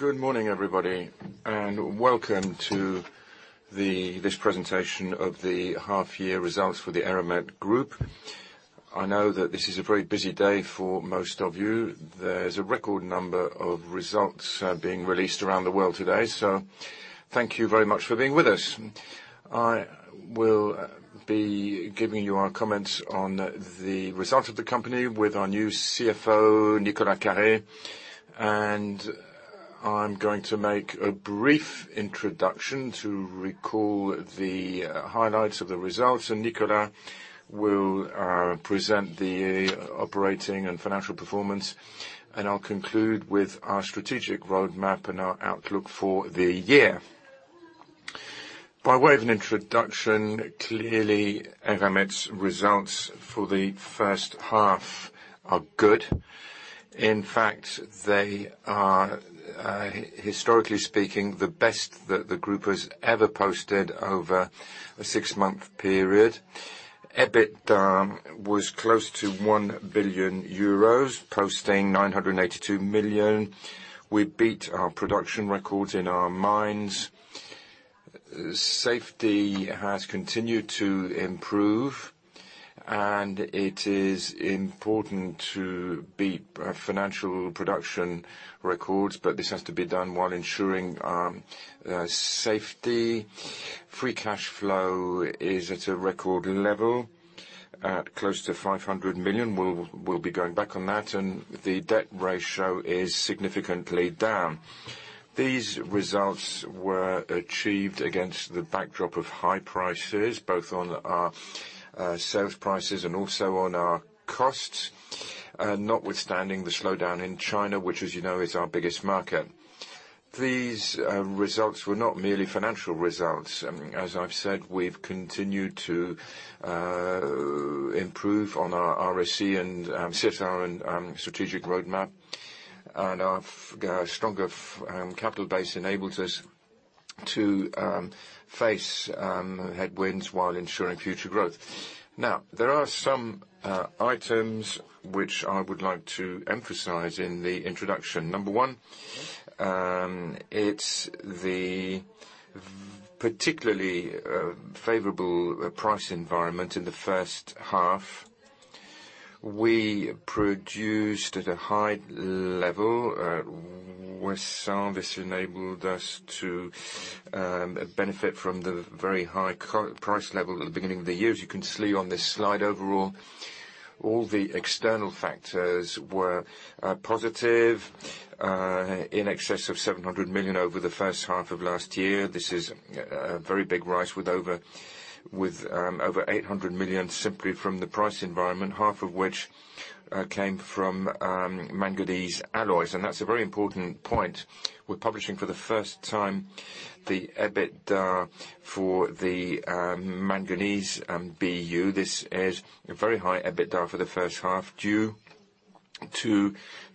Good morning, everybody, and welcome to this presentation of the half-year results for the Eramet Group. I know that this is a very busy day for most of you. There's a record number of results being released around the world today, so thank you very much for being with us. I will be giving you our comments on the results of the company with our new CFO, Nicolas Carré. I'm going to make a brief introduction to recall the highlights of the results, and Nicolas will present the operating and financial performance. I'll conclude with our strategic roadmap and our outlook for the year. By way of an introduction, clearly Eramet's results for the first half are good. In fact, they are historically speaking, the best that the group has ever posted over a six-month period. EBITDA was close to 1 billion euros, posting 982 million. We beat our production records in our mines. Safety has continued to improve, and it is important to beat financial production records, but this has to be done while ensuring safety. Free cash flow is at a record level at close to 500 million. We'll be going back on that, and the debt ratio is significantly down. These results were achieved against the backdrop of high prices, both on our sales prices and also on our costs, notwithstanding the slowdown in China, which, as you know, is our biggest market. These results were not merely financial results. As I've said, we've continued to improve on our RSC and CSR and strategic roadmap, and our stronger capital base enables us to face headwinds while ensuring future growth. Now, there are some items which I would like to emphasize in the introduction. Number one, it's the particularly favorable price environment in the first half. We produced at a high level, which has enabled us to benefit from the very high cobalt price level at the beginning of the year. As you can see on this slide, overall, all the external factors were positive in excess of 700 million over the first half of last year. This is a very big rise with over 800 million simply from the price environment, half of which came from manganese alloys, and that's a very important point. We're publishing for the first time the EBITDA for the manganese BU. This is a very high EBITDA for the first half due to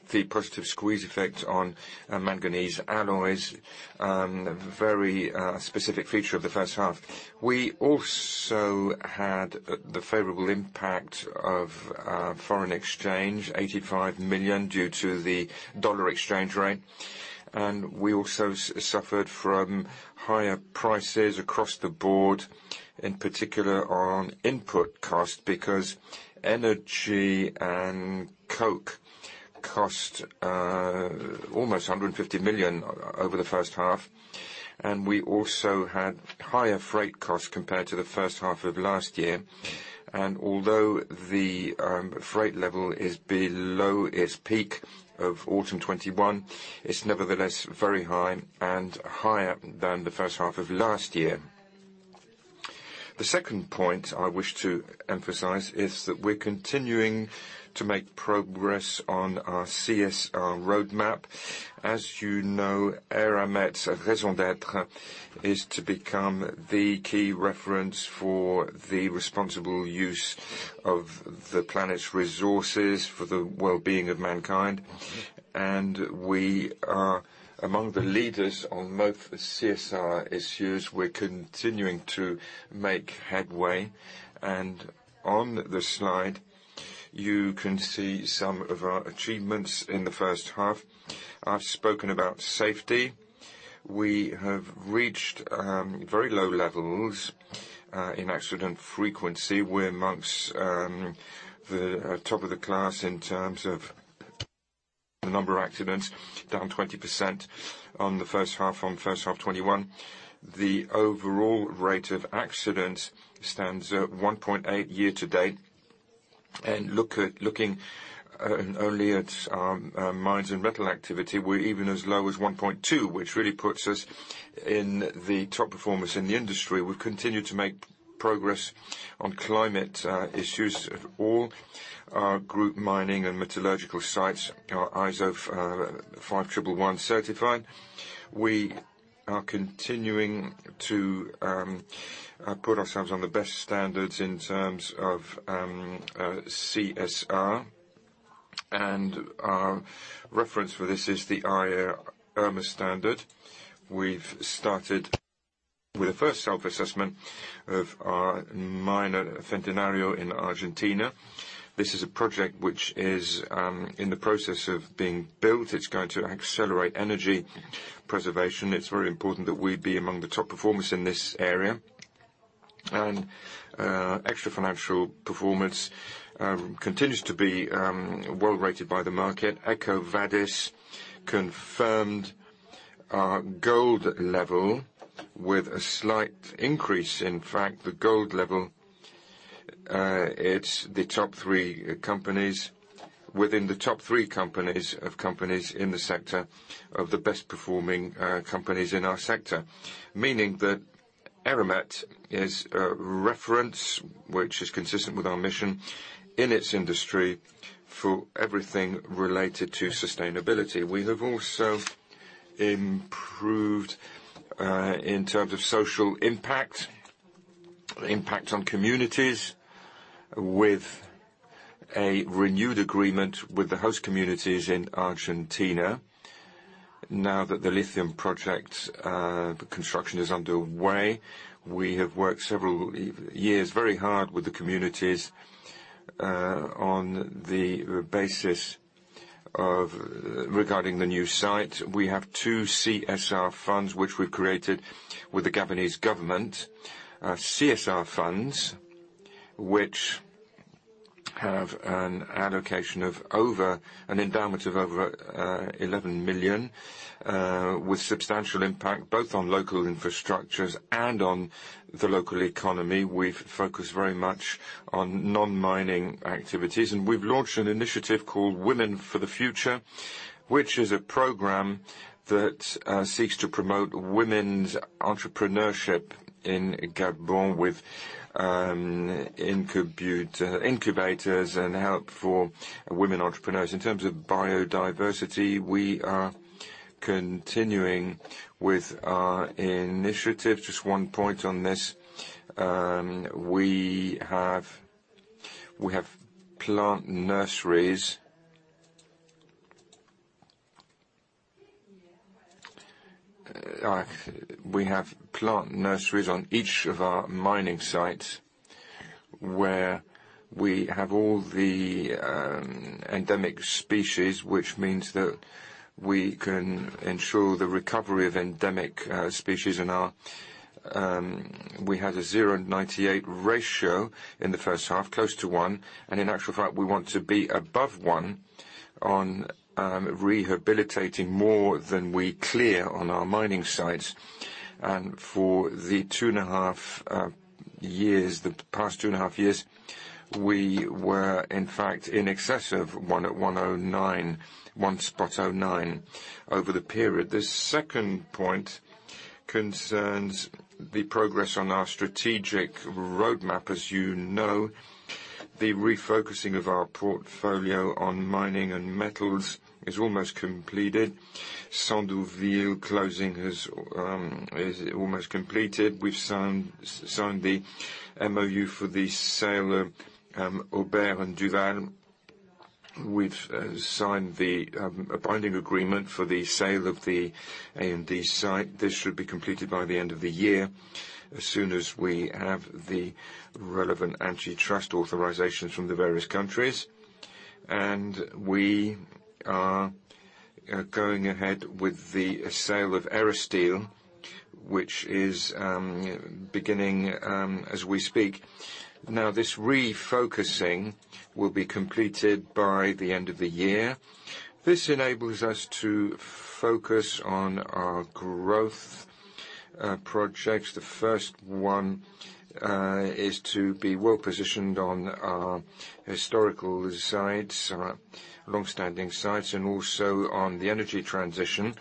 the positive squeeze effect on manganese alloys. A very specific feature of the first half. We also had the favorable impact of foreign exchange, 85 million, due to the dollar exchange rate. We also suffered from higher prices across the board, in particular on input cost, because energy and coke cost almost 150 million over the first half, and we also had higher freight costs compared to the first half of last year. Although the freight level is below its peak of autumn 2021, it's nevertheless very high and higher than the first half of last year. The second point I wish to emphasize is that we're continuing to make progress on our CSR roadmap. As you know, Eramet's raison d'être is to become the key reference for the responsible use of the planet's resources for the well-being of mankind, and we are among the leaders on most CSR issues. We're continuing to make headway. On the slide, you can see some of our achievements in the first half. I've spoken about safety. We have reached very low levels in accident frequency. We're among the top of the class in terms of the number of accidents, down 20% on the first half 2021. The overall rate of accidents stands at 1.8 year-to-date. Looking only at mines and metallurgical activity, we're even as low as 1.2, which really puts us in the top performers in the industry. We've continued to make progress on climate issues. All our group mining and metallurgical sites are ISO 50001 certified. We are continuing to put ourselves on the best standards in terms of CSR, and our reference for this is the IRMA standard. We've started with the first self-assessment of our mine at Centenario in Argentina. This is a project which is in the process of being built. It's going to accelerate energy preservation. It's very important that we be among the top performers in this area. Extra-financial performance continues to be well-rated by the market. EcoVadis confirmed our gold level with a slight increase. In fact, the gold level, it's the top three companies within the top three companies in the sector of the best-performing companies in our sector. Meaning that Eramet is a reference which is consistent with our mission in its industry for everything related to sustainability. We have also improved in terms of social impact on communities, with a renewed agreement with the host communities in Argentina. Now that the lithium project construction is underway, we have worked several years very hard with the communities on the basis of regarding the new site. We have two CSR funds which we've created with the Gabonese government. CSR funds which have an allocation of over an endowment of over 11 million with substantial impact both on local infrastructures and on the local economy. We've focused very much on non-mining activities. We've launched an initiative called Women for the Future, which is a program that seeks to promote women's entrepreneurship in Gabon with incubators and help for women entrepreneurs. In terms of biodiversity, we are continuing with our initiative. Just one point on this, we have plant nurseries on each of our mining sites, where we have all the endemic species, which means that we can ensure the recovery of endemic species in our. We have a 0.98 ratio in the first half, close to 1, and in actual fact, we want to be above 1 on rehabilitating more than we clear on our mining sites. For the past two and a half years, we were in fact in excess of 1 at 1.09 over the period. The second point concerns the progress on our strategic roadmap. As you know, the refocusing of our portfolio on mining and metals is almost completed. Sandouville closing is almost completed. We've signed the MoU for the sale of Aubert & Duval. We've signed a binding agreement for the sale of the A&D site. This should be completed by the end of the year, as soon as we have the relevant antitrust authorizations from the various countries. We are going ahead with the sale of Erasteel, which is beginning as we speak. Now, this refocusing will be completed by the end of the year. This enables us to focus on our growth projects. The first one is to be well-positioned on our historical sites, long-standing sites, and also on the energy transition.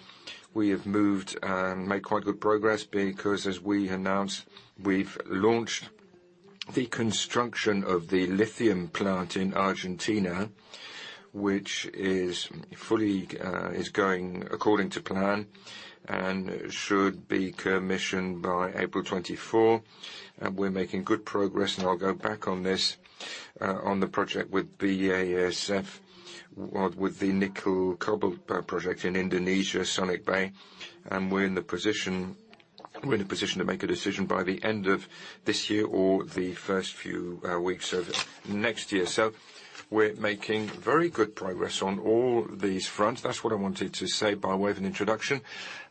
We have moved and made quite good progress because as we announced, we've launched the construction of the lithium plant in Argentina, which is going according to plan, and should be commissioned by April 2024. We're making good progress, and I'll go back on this on the project with BASF, with the nickel cobalt project in Indonesia, Weda Bay. We're in a position to make a decision by the end of this year or the first few weeks of next year. We're making very good progress on all these fronts. That's what I wanted to say by way of an introduction,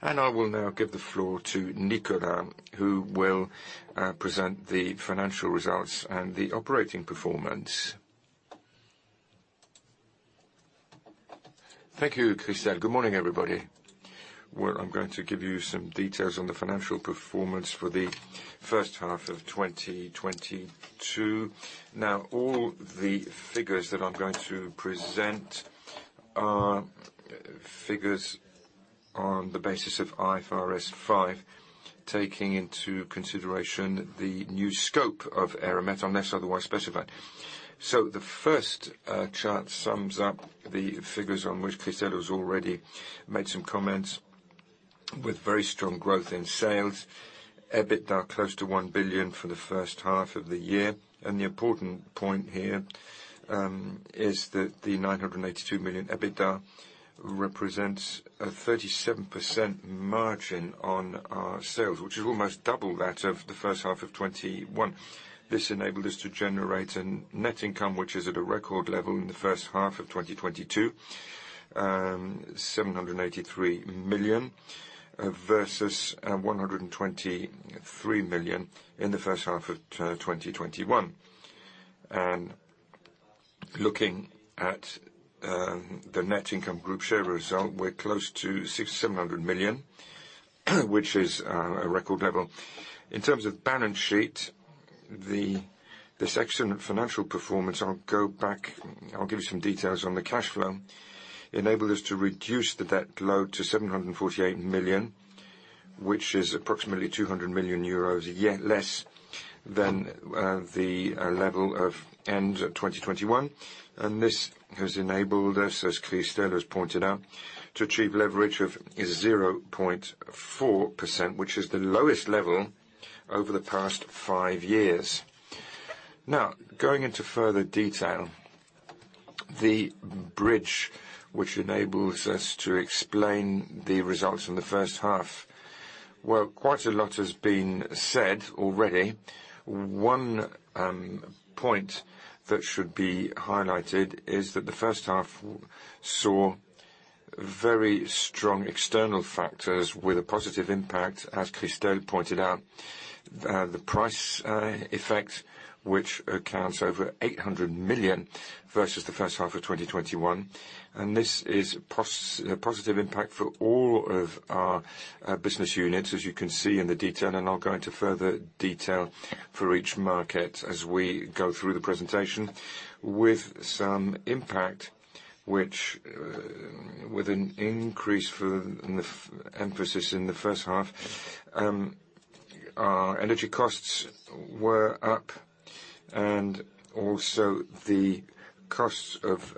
and I will now give the floor to Nicolas, who will present the financial results and the operating performance. Thank you, Christel. Good morning, everybody. Well, I'm going to give you some details on the financial performance for the first half of 2022. Now, all the figures that I'm going to present are figures on the basis of IFRS 5, taking into consideration the new scope of Eramet, unless otherwise specified. The first chart sums up the figures on which Christel has already made some comments, with very strong growth in sales. EBITDA close to 1 billion for the first half of the year. The important point here is that the 982 million EBITDA represents a 37% margin on our sales, which is almost double that of the first half of 2021. This enabled us to generate a net income which is at a record level in the first half of 2022, 783 million versus 123 million in the first half of 2021. Looking at the net income group share result, we're close to 677 million, which is a record level. In terms of balance sheet, this excellent financial performance, I'll go back, I'll give you some details on the cash flow, enabled us to reduce the debt load to 748 million, which is approximately 200 million euros yet less than the level of end of 2021. This has enabled us, as Christel has pointed out, to achieve leverage of 0.4%, which is the lowest level over the past five years. Now, going into further detail, the bridge, which enables us to explain the results from the first half. Well, quite a lot has been said already. One point that should be highlighted is that the first half saw very strong external factors with a positive impact, as Christel pointed out. The price effect, which accounts for over 800 million versus the first half of 2021, and this is positive impact for all of our business units, as you can see in the detail. I'll go into further detail for each market as we go through the presentation. With some impact with an increase for inflation in the first half, our energy costs were up and also the costs of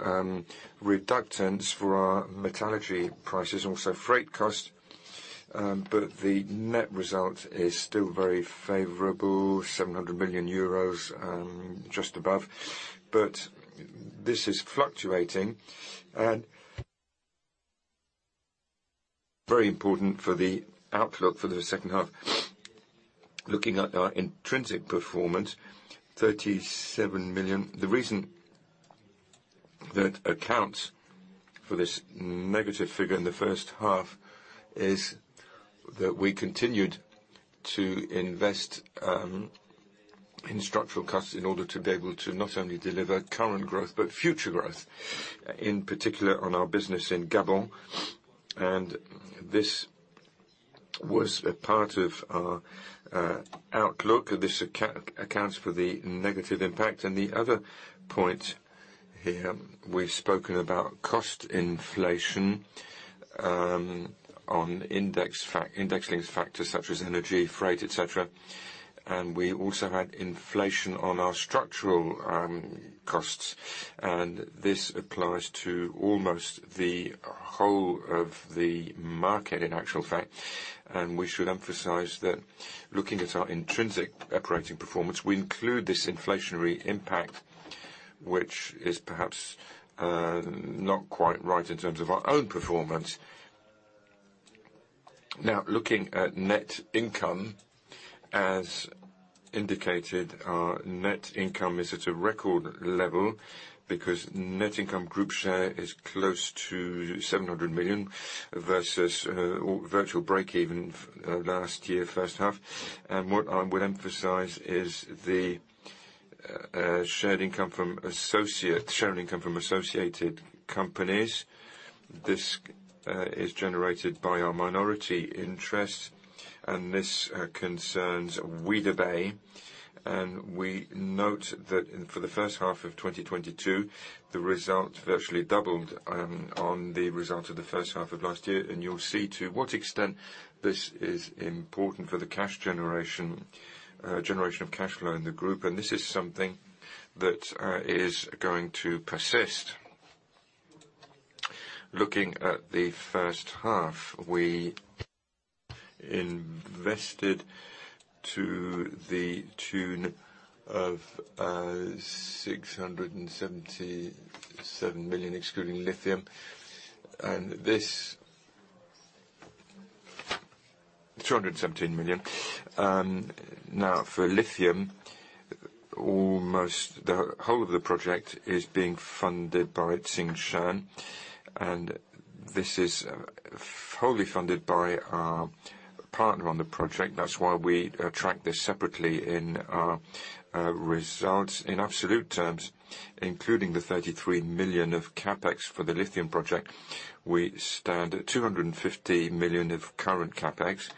reductants for our metallurgical processes, also freight cost. The net result is still very favorable, 700 million euros, just above. This is fluctuating and very important for the outlook for the second half. Looking at our intrinsic performance, 37 million. The reason that accounts for this negative figure in the first half is that we continued to invest in structural costs in order to be able to not only deliver current growth, but future growth, in particular on our business in Gabon. This was a part of our outlook. This accounts for the negative impact. The other point here, we've spoken about cost inflation on index-linked factors such as energy, freight, et cetera. We also had inflation on our structural costs, and this applies to almost the whole of the market, in actual fact. We should emphasize that looking at our intrinsic operating performance, we include this inflationary impact, which is perhaps not quite right in terms of our own performance. Now, looking at net income, as indicated, our net income is at a record level because net income, Group share is close to 700 million versus virtual breakeven last year, first half. What I would emphasize is the share of income from associates. This is generated by our minority interest, and this concerns Weda Bay. We note that for the first half of 2022, the result virtually doubled on the result of the first half of last year. You'll see to what extent this is important for the generation of cash flow in the group. This is something that is going to persist. Looking at the first half, we invested to the tune of 677 million, excluding lithium. This 217 million. Now for lithium, almost the whole of the project is being funded by Tsingshan, and this is wholly funded by our partner on the project. That's why we track this separately in our results. In absolute terms, including the 33 million of CapEx for the lithium project, we stand at 250 million of current CapEx.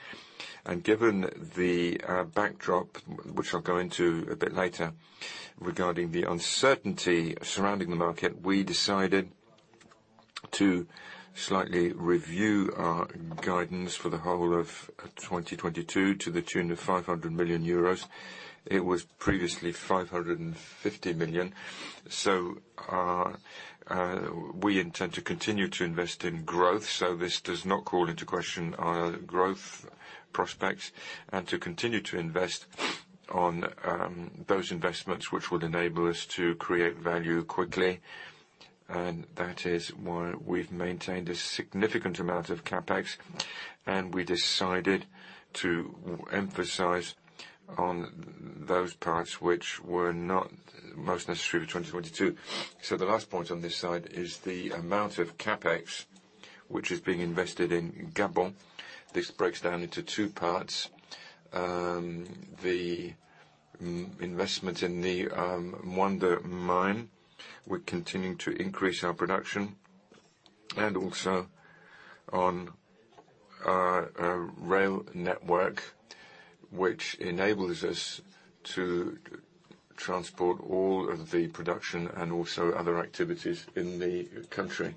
Given the backdrop, which I'll go into a bit later, regarding the uncertainty surrounding the market, we decided to slightly review our guidance for the whole of 2022 to the tune of 500 million euros. It was previously 550 million. We intend to continue to invest in growth. This does not call into question our growth prospects and to continue to invest on those investments which would enable us to create value quickly, and that is why we've maintained a significant amount of CapEx, and we decided to emphasize on those parts which were not most necessary for 2022. The last point on this side is the amount of CapEx which is being invested in Gabon. This breaks down into two parts. The investment in the Moanda mine, we're continuing to increase our production, and also on a rail network which enables us to transport all of the production and also other activities in the country.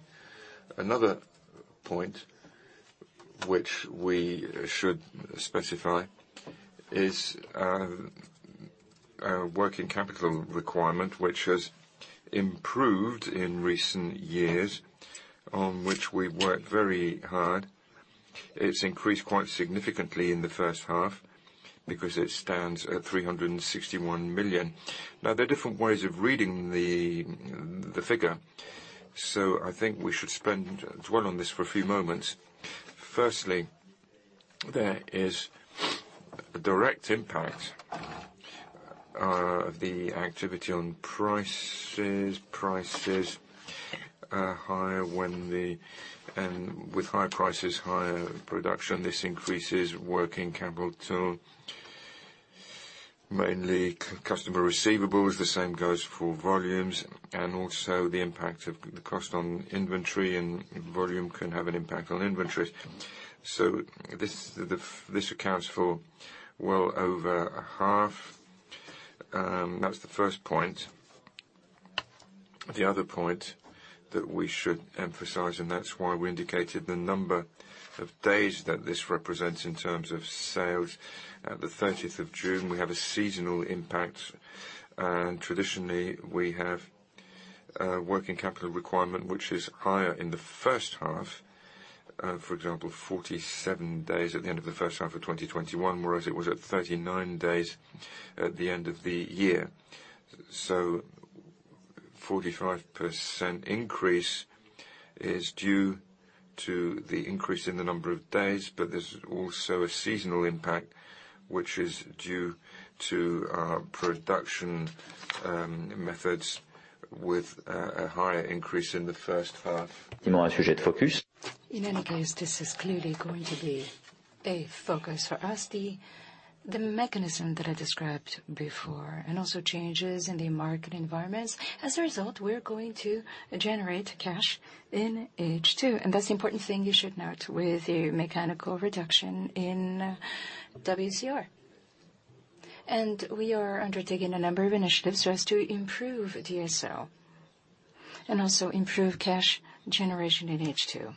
Another point which we should specify is our working capital requirement, which has improved in recent years, on which we worked very hard. It's increased quite significantly in the first half because it stands at 361 million. Now, there are different ways of reading the figure, so I think we should dwell on this for a few moments. Firstly, there is direct impact, the activity on prices. Prices are higher and with higher prices, higher production. This increases working capital, mainly customer receivables. The same goes for volumes and also the impact of the cost on inventory, and volume can have an impact on inventories. So this accounts for well over a half. That's the first point. The other point that we should emphasize, and that's why we indicated the number of days that this represents in terms of sales. At the 30th of June, we have a seasonal impact, and traditionally, we have a working capital requirement which is higher in the first half. For example, 47 days at the end of the first half of 2021, whereas it was at 39 days at the end of the year. Forty-five percent increase is due to the increase in the number of days, but there's also a seasonal impact, which is due to production methods with a higher increase in the first half. In any case, this is clearly going to be a focus for us. The mechanism that I described before and also changes in the market environments. As a result, we're going to generate cash in H2, and that's the important thing you should note with the mechanical reduction in WCR. We are undertaking a number of initiatives so as to improve DSO and also improve cash generation in H2.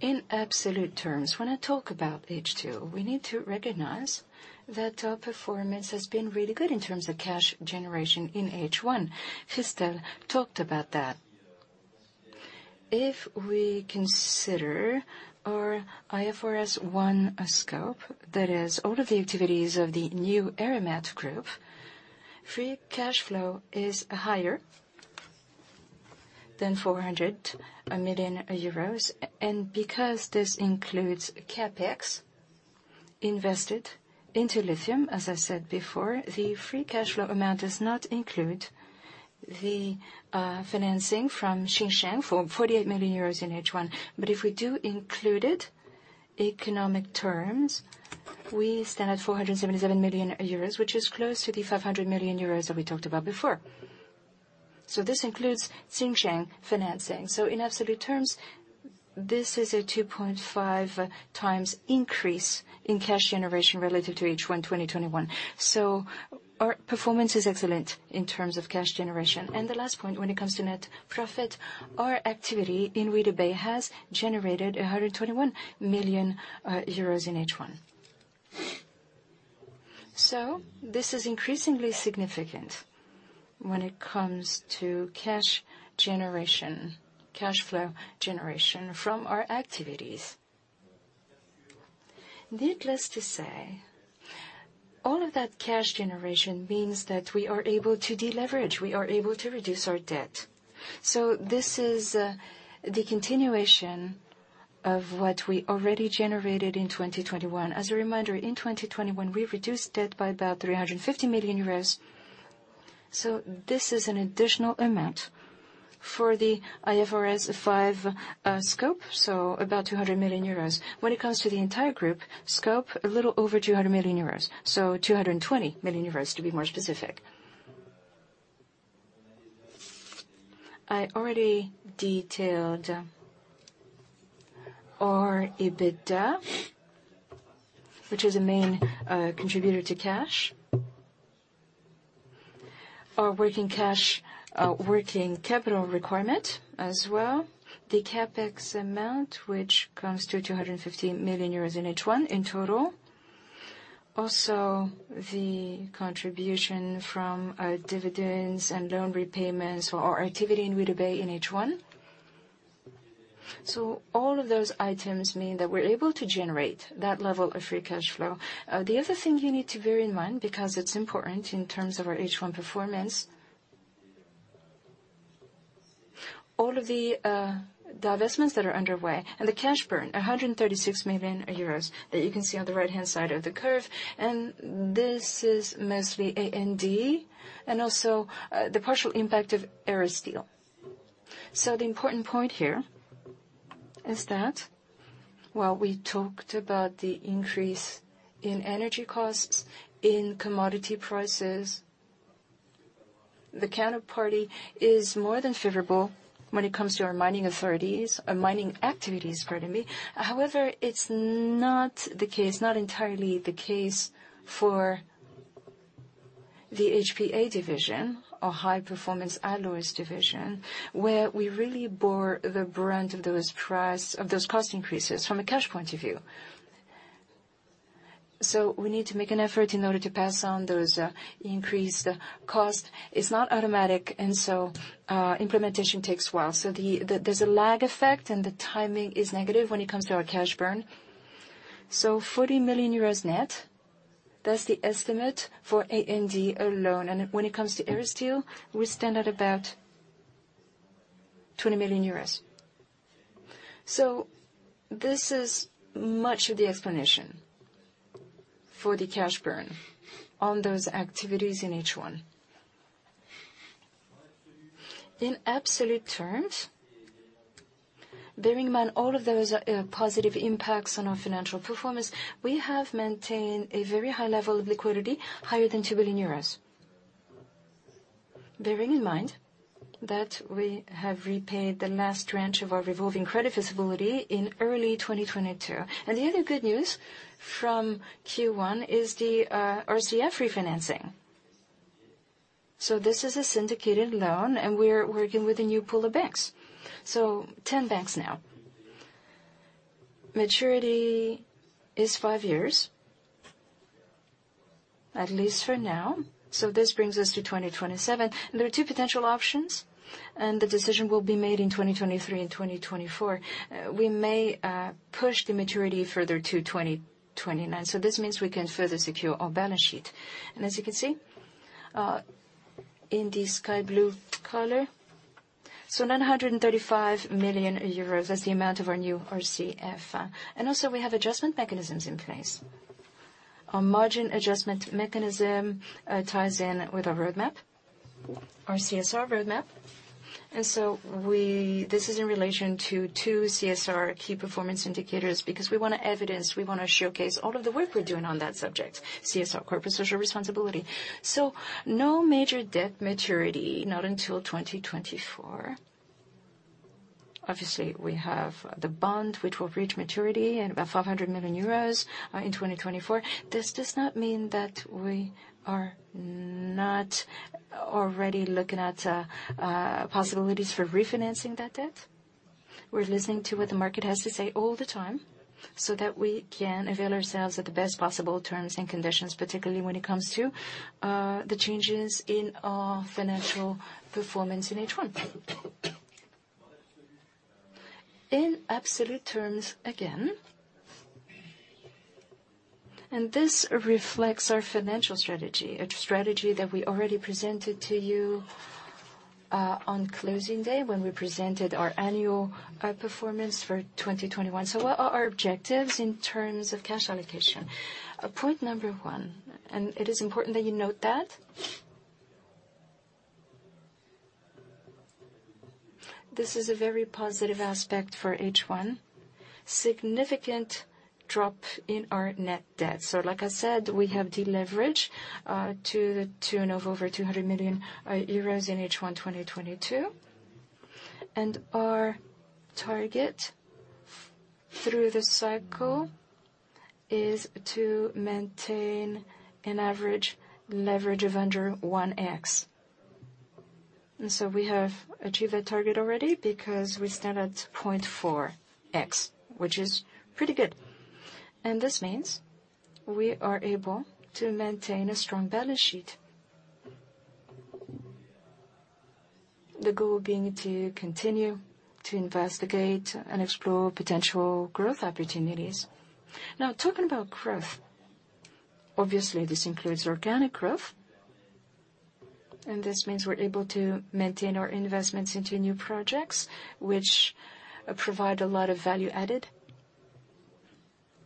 In absolute terms, when I talk about H2, we need to recognize that our performance has been really good in terms of cash generation in H1. Christel talked about that. If we consider our IFRS 5 scope, that is all of the activities of the new Eramet group, free cash flow is higher than 400 million euros. Because this includes CapEx invested into lithium, as I said before, the free cash flow amount does not include the financing from Tsingshan for 48 million euros in H1. If we do include it, economic terms, we stand at 477 million euros, which is close to the 500 million euros that we talked about before. This includes Tsingshan financing. In absolute terms, this is a 2.5 times increase in cash generation relative to H1 2021. Our performance is excellent in terms of cash generation. The last point, when it comes to net profit, our activity in Weda Bay has generated 121 million euros in H1. This is increasingly significant when it comes to cash generation cash flow generation from our activities. Needless to say, all of that cash generation means that we are able to deleverage. We are able to reduce our debt. This is the continuation of what we already generated in 2021. As a reminder, in 2021, we reduced debt by about 350 million euros, so this is an additional amount. For the IFRS 5 scope, about 200 million euros. When it comes to the entire group scope, a little over 200 million euros, so 220 million euros to be more specific. I already detailed our EBITDA, which is a main contributor to cash. Our working capital requirement as well. The CapEx amount, which comes to 250 million euros in H1 in total. Also, the contribution from dividends and loan repayments for our activity in Weda Bay in H1. All of those items mean that we're able to generate that level of free cash flow. The other thing you need to bear in mind, because it's important in terms of our H1 performance. All of the divestments that are underway and the cash burn, 136 million euros that you can see on the right-hand side of the curve, and this is mostly A&D and also the partial impact of Erasteel. The important point here is that while we talked about the increase in energy costs, in commodity prices, the counterbalance is more than favorable when it comes to our mining authorities, our mining activities, pardon me. However, it's not the case, not entirely the case for the HPA division or high-performance alloys division, where we really bore the brunt of those cost increases from a cash point of view. We need to make an effort in order to pass on those increased costs. It's not automatic, and implementation takes a while. There's a lag effect, and the timing is negative when it comes to our cash burn. 40 million euros net, that's the estimate for A&D alone. When it comes to Erasteel, we stand at about 20 million euros. This is much of the explanation for the cash burn on those activities in H1. In absolute terms, bearing in mind all of those positive impacts on our financial performance, we have maintained a very high level of liquidity, higher than 2 billion euros. Bearing in mind that we have repaid the last tranche of our revolving credit facility in early 2022. The other good news from Q1 is the RCF refinancing. This is a syndicated loan, and we're working with a new pool of banks. 10 banks now. Maturity is five years, at least for now, this brings us to 2027. There are two potential options, and the decision will be made in 2023 and 2024. We may push the maturity further to 2029, this means we can further secure our balance sheet. As you can see, in the sky blue color, so 935 million euros, that's the amount of our new RCF. We have adjustment mechanisms in place. Our margin adjustment mechanism ties in with our roadmap, our CSR roadmap. This is in relation to two CSR key performance indicators because we wanna evidence, we wanna showcase all of the work we're doing on that subject, CSR, corporate social responsibility. No major debt maturity, not until 2024. Obviously, we have the bond which will reach maturity and about 500 million euros in 2024. This does not mean that we are not already looking at possibilities for refinancing that debt. We're listening to what the market has to say all the time so that we can avail ourselves at the best possible terms and conditions, particularly when it comes to the changes in our financial performance in H1. In absolute terms, again, and this reflects our financial strategy, a strategy that we already presented to you on closing day when we presented our annual performance for 2021. What are our objectives in terms of cash allocation? Point number one, and it is important that you note that. This is a very positive aspect for H1, significant drop in our net debt. Like I said, we have deleveraged to the tune of over 200 million euros in H1 2022. Our target through this cycle is to maintain an average leverage of under 1x. We have achieved that target already because we stand at 0.4x, which is pretty good. This means we are able to maintain a strong balance sheet. The goal being to continue to investigate and explore potential growth opportunities. Now, talking about growth, obviously this includes organic growth, and this means we're able to maintain our investments into new projects which provide a lot of value added.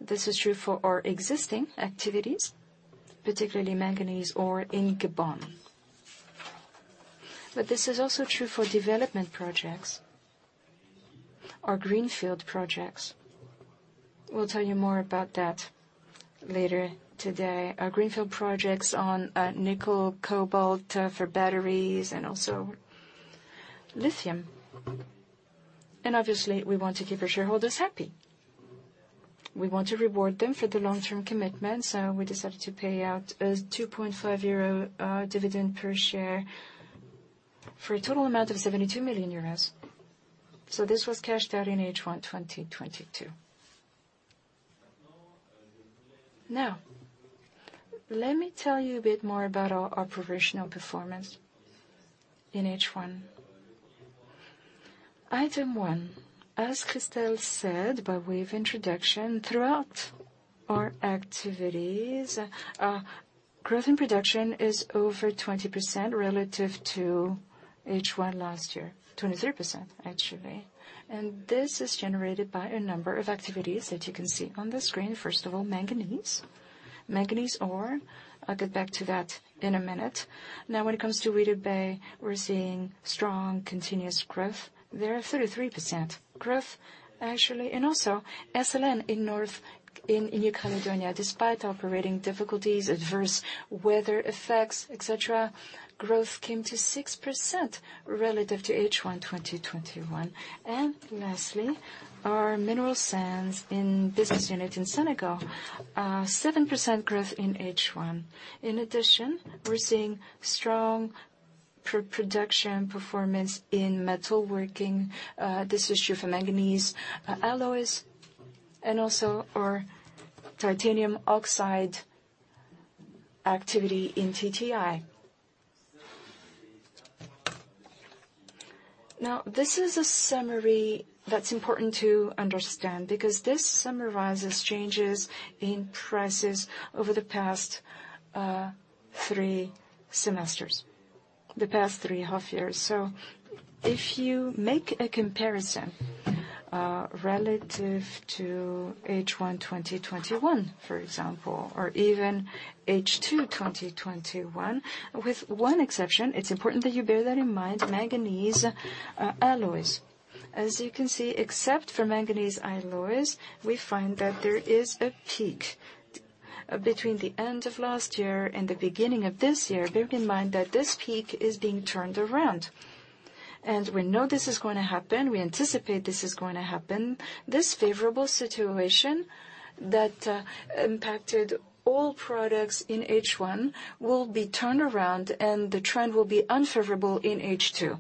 This is true for our existing activities, particularly manganese ore in Gabon. This is also true for development projects, our greenfield projects. We'll tell you more about that later today. Our greenfield projects on nickel, cobalt for batteries and also lithium. Obviously, we want to keep our shareholders happy. We want to reward them for the long-term commitment, so we decided to pay out a 2.5 euro dividend per share for a total amount of 72 million euros. This was cashed out in H1 2022. Now let me tell you a bit more about our operational performance in H1. Item one, as Christel said by way of introduction, throughout our activities, growth in production is over 20% relative to H1 last year, 23% actually, and this is generated by a number of activities that you can see on the screen. First of all, manganese. Manganese ore. I'll get back to that in a minute. Now when it comes to Weda Bay, we're seeing strong continuous growth there, 33% growth actually, and also SLN in New Caledonia, despite operating difficulties, adverse weather effects, etc., growth came to 6% relative to H1 2021. Lastly, our mineral sands business unit in Senegal, 7% growth in H1. In addition, we're seeing strong production performance in metal working, this is true for manganese alloys and also our titanium oxide activity in TTI. Now this is a summary that's important to understand because this summarizes changes in prices over the past three semesters, the past three half years. If you make a comparison relative to H1 2021, for example or even H2 2021, with one exception, it's important that you bear that in mind, manganese alloys. As you can see, except for manganese alloys, we find that there is a peak between the end of last year and the beginning of this year. Bear in mind that this peak is being turned around, and we know this is gonna happen. We anticipate this is gonna happen. This favorable situation that impacted all products in H1 will be turned around and the trend will be unfavorable in H2.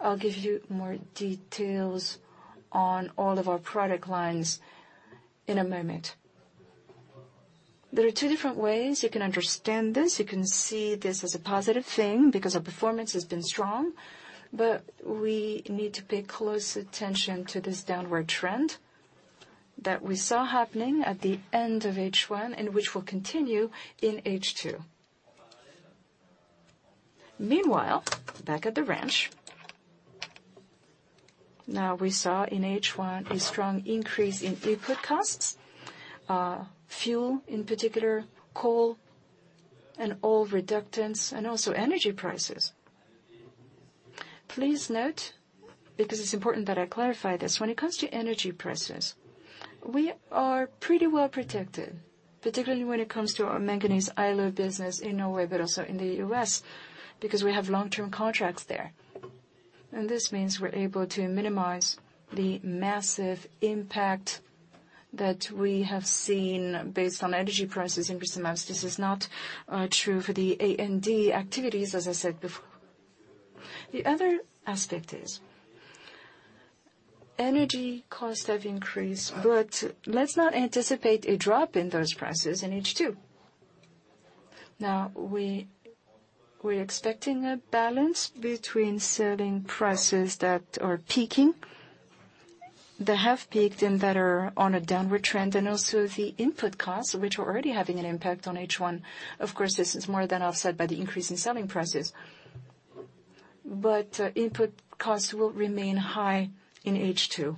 I'll give you more details on all of our product lines in a moment. There are two different ways you can understand this. You can see this as a positive thing because our performance has been strong, but we need to pay close attention to this downward trend that we saw happening at the end of H1 and which will continue in H2. Meanwhile, back at the ranch. Now we saw in H1 a strong increase in input costs, fuel in particular, coal and all reductants and also energy prices. Please note, because it's important that I clarify this, when it comes to energy prices, we are pretty well protected, particularly when it comes to our manganese alloy business in Norway but also in the U.S. because we have long-term contracts there, and this means we're able to minimize the massive impact that we have seen based on energy prices in recent months. This is not true for the A&D activities as I said before. The other aspect is energy costs have increased, but let's not anticipate a drop in those prices in H2. We're expecting a balance between selling prices that are peaking, that have peaked and that are on a downward trend and also the input costs which are already having an impact on H1. Of course, this is more than offset by the increase in selling prices, but input costs will remain high in H2.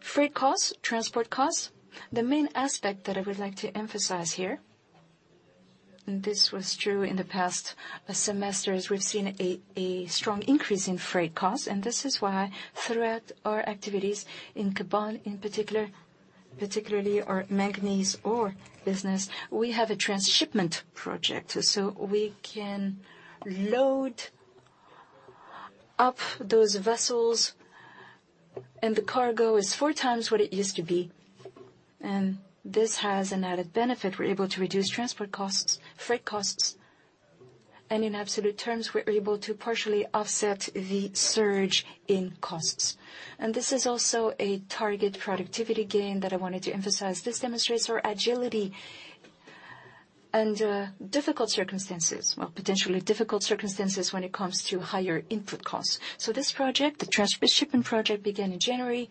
Freight costs, transport costs. The main aspect that I would like to emphasize here, and this was true in the past semesters, we've seen a strong increase in freight costs and this is why throughout our activities in Gabon, in particular, particularly our manganese ore business, we have a transshipment project, so we can load up those vessels and the cargo is four times what it used to be and this has an added benefit. We're able to reduce transport costs, freight costs, and in absolute terms, we're able to partially offset the surge in costs. This is also a target productivity gain that I wanted to emphasize. This demonstrates our agility under difficult circumstances. Well, potentially difficult circumstances when it comes to higher input costs. This project, the transshipment project began in January.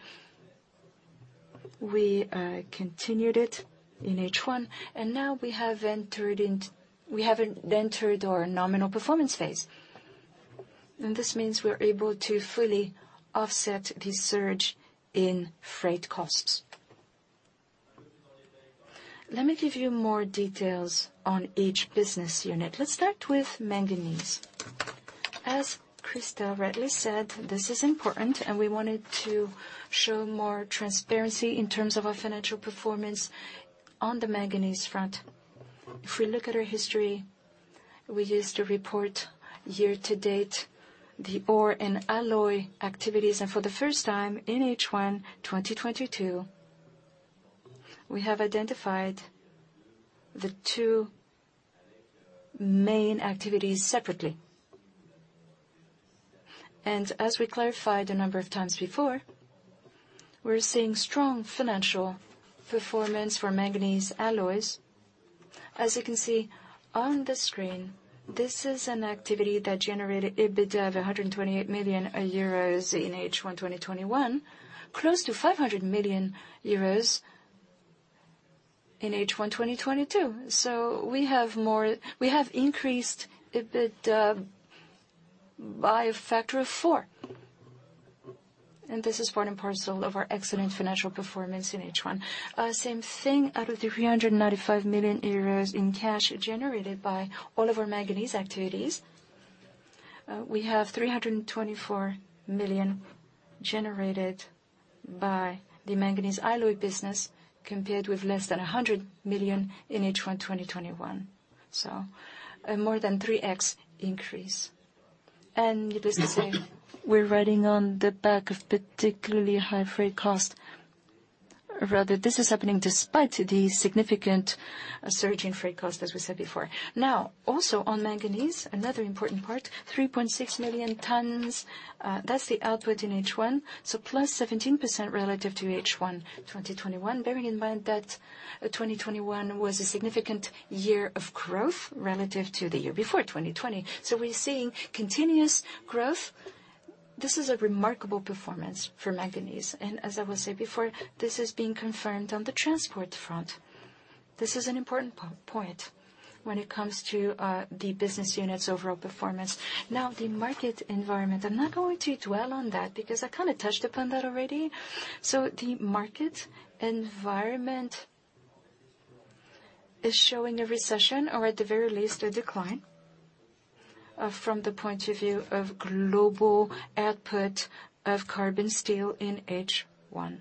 We continued it in H1 and now we have entered our nominal performance phase, and this means we're able to fully offset the surge in freight costs. Let me give you more details on each business unit. Let's start with manganese. As Christel rightly said, this is important and we wanted to show more transparency in terms of our financial performance on the manganese front. If we look at our history, we used to report year to date the ore and alloy activities, and for the first time in H1 2022, we have identified the two main activities separately. As we clarified a number of times before, we're seeing strong financial performance for manganese alloys. As you can see on the screen, this is an activity that generated EBITDA of 128 million euros in H1 2021, close to 500 million euros in H1 2022. We have increased EBITDA by a factor of four, and this is part and parcel of our excellent financial performance in H1. Same thing out of the 395 million euros in cash generated by all of our manganese activities. We have 324 million generated by the manganese alloy business, compared with less than 100 million in H1 2021. A more than 3x increase. It is to say, we're riding on the back of particularly high freight cost. Rather, this is happening despite the significant surge in freight cost, as we said before. Now, also on manganese, another important part, 3.6 million tons, that's the output in H1, so +17% relative to H1 2021. Bearing in mind that 2021 was a significant year of growth relative to the year before, 2020. We're seeing continuous growth. This is a remarkable performance for manganese, and as I was saying before, this is being confirmed on the transport front. This is an important point when it comes to the business unit's overall performance. Now, the market environment, I'm not going to dwell on that because I kinda touched upon that already. The market environment is showing a recession or at the very least a decline from the point of view of global output of carbon steel in H1,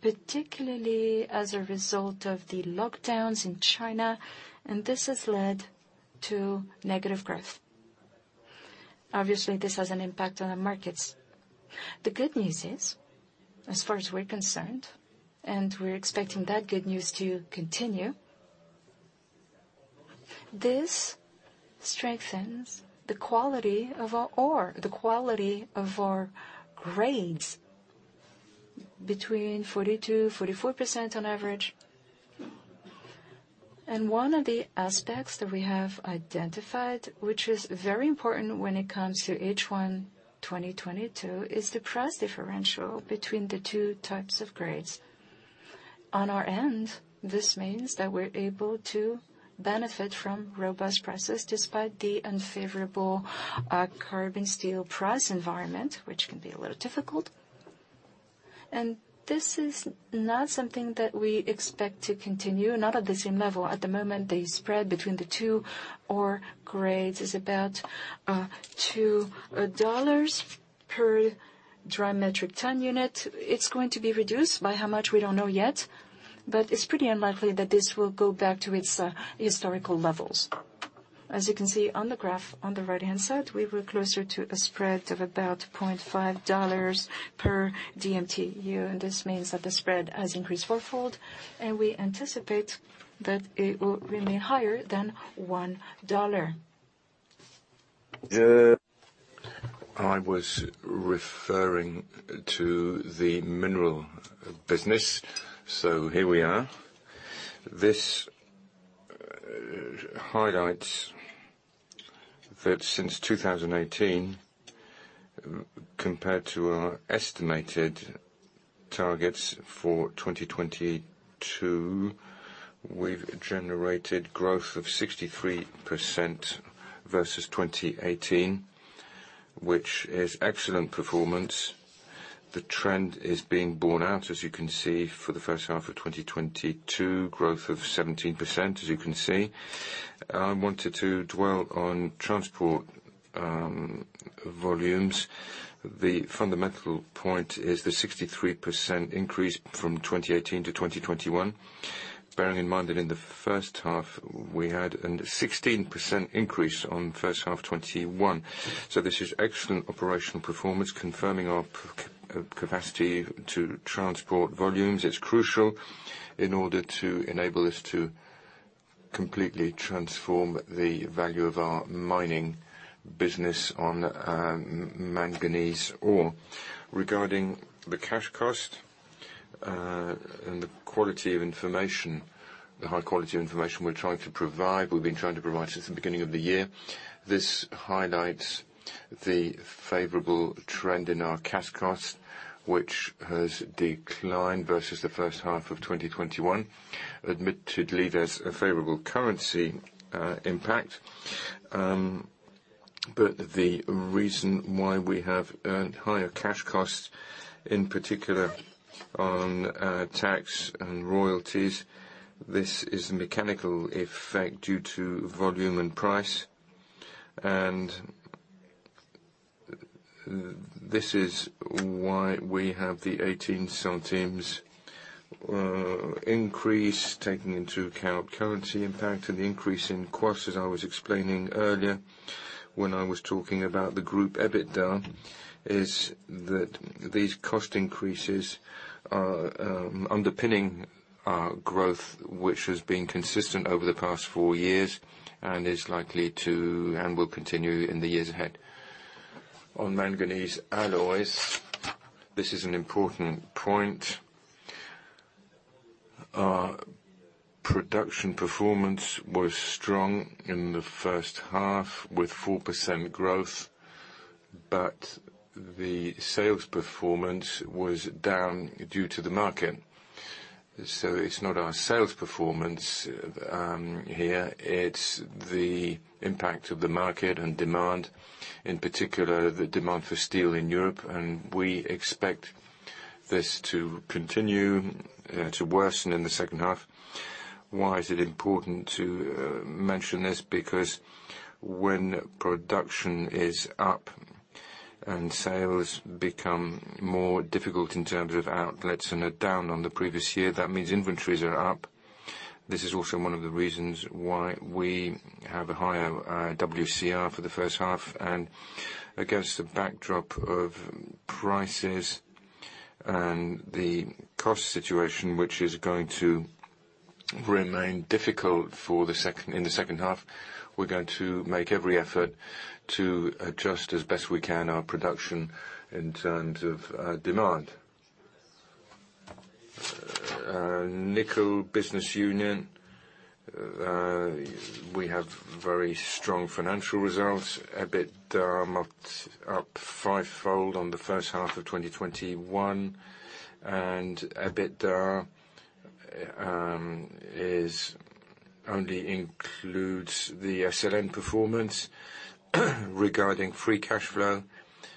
particularly as a result of the lockdowns in China, and this has led to negative growth. Obviously, this has an impact on the markets. The good news is, as far as we're concerned, and we're expecting that good news to continue, this strengthens the quality of our ore, the quality of our grades between 42%-44% on average. One of the aspects that we have identified, which is very important when it comes to H1 2022, is the price differential between the two types of grades. On our end, this means that we're able to benefit from robust prices despite the unfavorable carbon steel price environment, which can be a little difficult. This is not something that we expect to continue, not at the same level. At the moment, the spread between the two ore grades is about $2 per dry metric ton unit. It's going to be reduced. By how much, we don't know yet, but it's pretty unlikely that this will go back to its historical levels. As you can see on the graph on the right-hand side, we were closer to a spread of about $0.5 per dmtu, and this means that the spread has increased fourfold, and we anticipate that it will remain higher than $1. I was referring to the mineral business, so here we are. This highlights that since 2018, compared to our estimated targets for 2022, we've generated growth of 63% versus 2018, which is excellent performance. The trend is being borne out, as you can see, for the first half of 2022, growth of 17%, as you can see. I wanted to dwell on transport volumes. The fundamental point is the 63% increase from 2018 to 2021. Bearing in mind that in the first half we had a 16% increase on first half 2021. This is excellent operational performance, confirming our capacity to transport volumes. It's crucial in order to enable us to completely transform the value of our mining business on manganese ore. Regarding the cash cost, and the quality of information, the high quality of information we're trying to provide, we've been trying to provide since the beginning of the year, this highlights the favorable trend in our cash costs, which has declined versus the first half of 2021. Admittedly, there's a favorable currency, impact. The reason why we have incurred higher cash costs, in particular on, tax and royalties, this is a mechanical effect due to volume and price. This is why we have the 0.18 increase, taking into account currency impact and the increase in costs. As I was explaining earlier when I was talking about the group EBITDA, is that these cost increases are, underpinning our growth, which has been consistent over the past four years and is likely to and will continue in the years ahead. On manganese alloys, this is an important point. Our production performance was strong in the first half with 4% growth, but the sales performance was down due to the market. It's not our sales performance here, it's the impact of the market and demand, in particular, the demand for steel in Europe, and we expect this to continue to worsen in the second half. Why is it important to mention this? Because when production is up and sales become more difficult in terms of outlets and are down on the previous year, that means inventories are up. This is also one of the reasons why we have a higher WCR for the first half and against the backdrop of prices and the cost situation, which is going to remain difficult for the second half. In the second half, we're going to make every effort to adjust as best we can our production in terms of demand. Nickel business unit, we have very strong financial results. EBITDA marked up fivefold on the first half of 2021, and EBITDA only includes the SLN performance regarding free cash flow.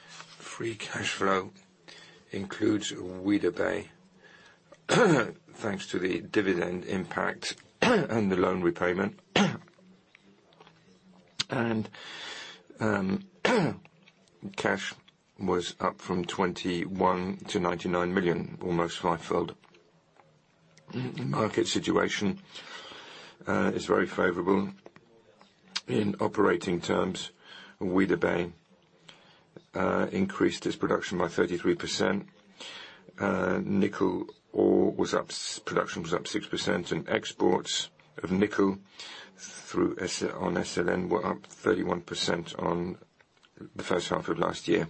Free cash flow includes Weda Bay thanks to the dividend impact and the loan repayment. Cash was up from 21 million-99 million, almost fivefold. Market situation is very favorable. In operating terms, Weda Bay increased its production by 33%. Nickel ore production was up 6%, and exports of nickel through SLN were up 31% on the first half of last year.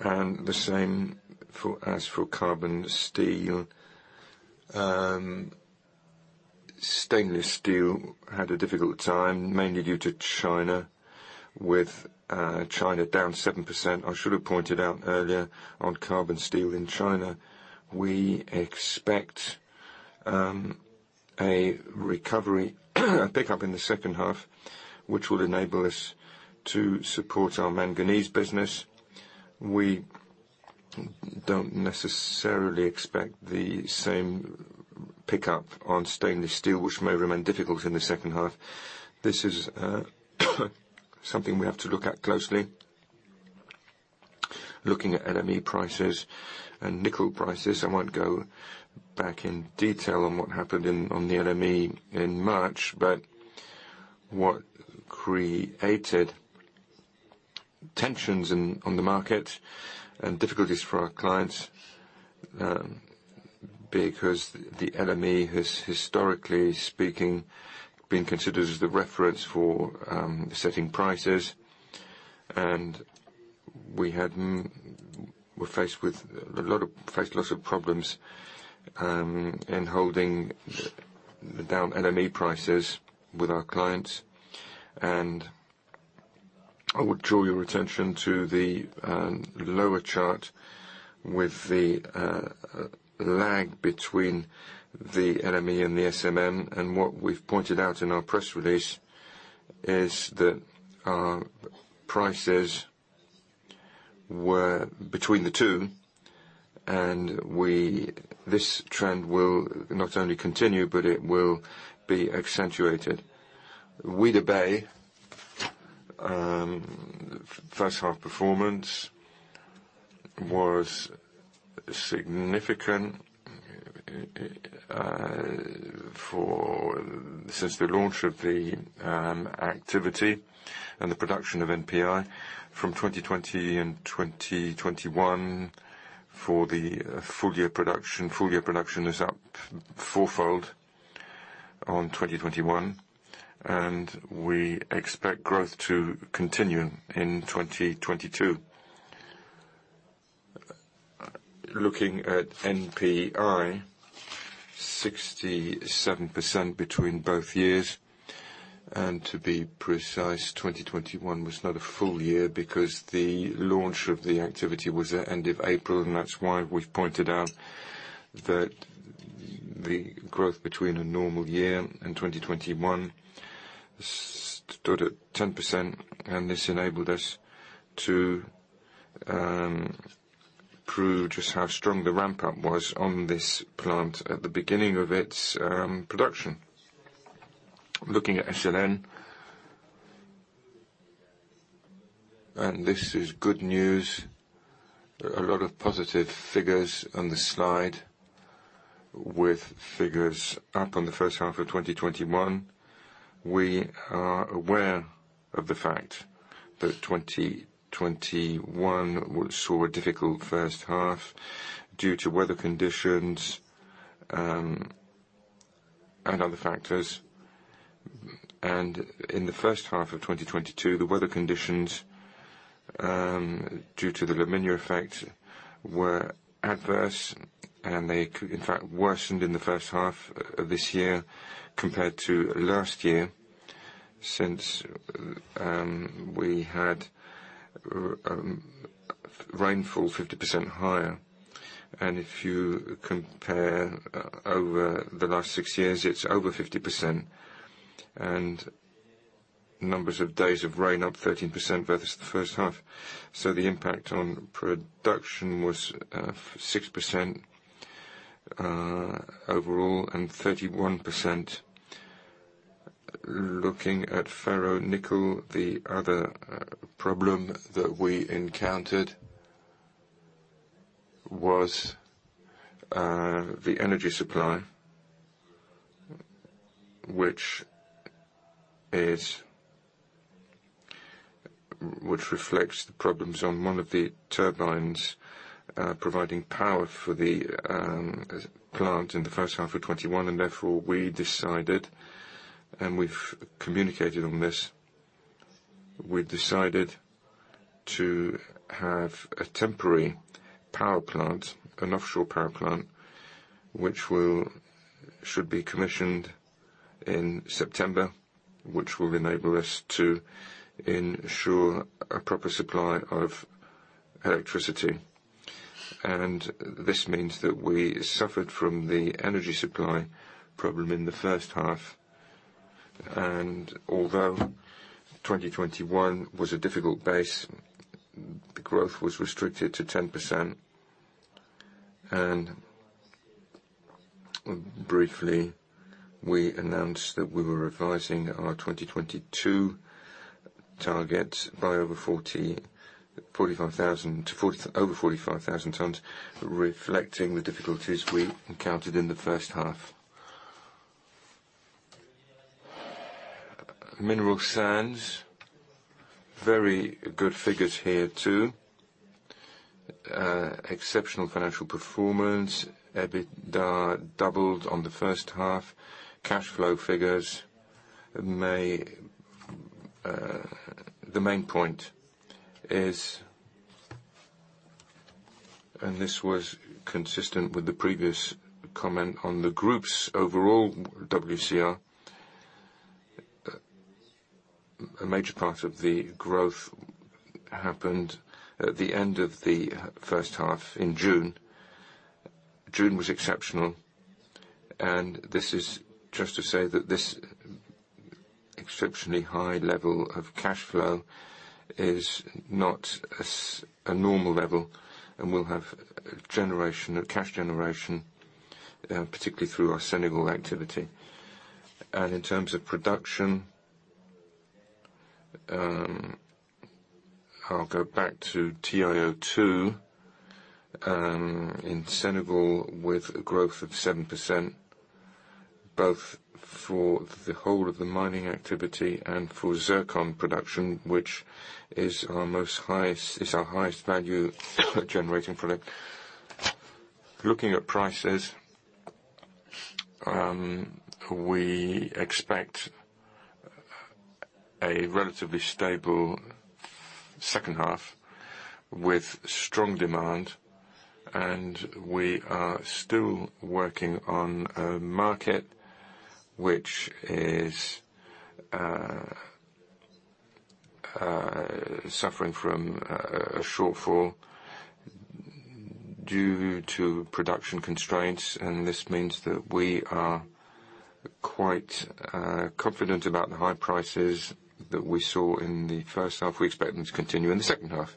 The same, as for carbon steel. Stainless steel had a difficult time, mainly due to China, with China down 7%. I should have pointed out earlier on carbon steel in China. We expect a recovery pick up in the second half, which will enable us to support our manganese business. We don't necessarily expect the same pickup on stainless steel, which may remain difficult in the second half. This is something we have to look at closely. Looking at LME prices and nickel prices, I won't go back in detail on what happened on the LME in March, but what created tensions on the market and difficulties for our clients, because the LME has historically speaking, been considered as the reference for setting prices. We're faced with a lot of. Faced lots of problems in holding down LME prices with our clients. I would draw your attention to the lower chart with the lag between the LME and the SMM. What we've pointed out in our press release is that our prices were between the two. This trend will not only continue, but it will be accentuated. Weda Bay first half performance was significant. Since the launch of the activity and the production of NPI from 2020 and 2021 for the full year production. Full year production is up fourfold on 2021, and we expect growth to continue in 2022. Looking at NPI, 67% between both years. To be precise, 2021 was not a full year because the launch of the activity was at end of April, and that's why we've pointed out that the growth between a normal year and 2021 stood at 10%, and this enabled us to prove just how strong the ramp-up was on this plant at the beginning of its production. Looking at SLN, and this is good news, a lot of positive figures on the slide with figures up on the first half of 2021. We are aware of the fact that 2021 saw a difficult first half due to weather conditions, and other factors. In the first half of 2022, the weather conditions due to the La Niña effect were adverse, and they in fact worsened in the first half of this year compared to last year since we had rainfall 50% higher. If you compare over the last six years, it's over 50%. Numbers of days of rain up 13% versus the first half. The impact on production was 6% overall, and 31%. Looking at ferronickel, the other problem that we encountered was the energy supply, which is. Which reflects the problems on one of the turbines providing power for the plant in the first half of 2021, and therefore we decided, and we've communicated on this, to have a temporary power plant, an offshore power plant, which should be commissioned in September, which will enable us to ensure a proper supply of electricity. This means that we suffered from the energy supply problem in the first half. Although 2021 was a difficult base, the growth was restricted to 10%. Briefly, we announced that we were revising our 2022 target by over 45,000 tons, reflecting the difficulties we encountered in the first half. Mineral sands, very good figures here too. Exceptional financial performance. EBITDA doubled on the first half. Cash flow figures may. The main point is, this was consistent with the previous comment on the group's overall WCR, a major part of the growth happened at the end of the first half in June. June was exceptional, and this is just to say that this exceptionally high level of cash flow is not a normal level and will have cash generation, particularly through our Senegal activity. In terms of production, I'll go back to TiO₂ in Senegal with a growth of 7%, both for the whole of the mining activity and for zircon production, which is our highest value generating product. Looking at prices, we expect a relatively stable second half with strong demand, and we are still working on a market which is suffering from a shortfall due to production constraints, and this means that we are quite confident about the high prices that we saw in the first half. We expect them to continue in the second half.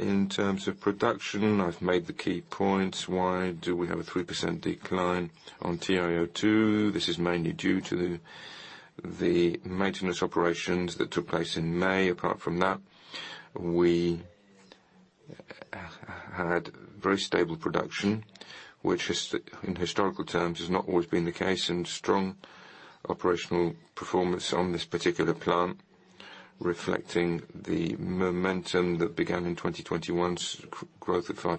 In terms of production, I've made the key points. Why do we have a 3% decline on TiO₂? This is mainly due to the maintenance operations that took place in May. Apart from that, we had very stable production, which, in historical terms, has not always been the case, and strong operational performance on this particular plant, reflecting the momentum that began in 2021's growth of 5%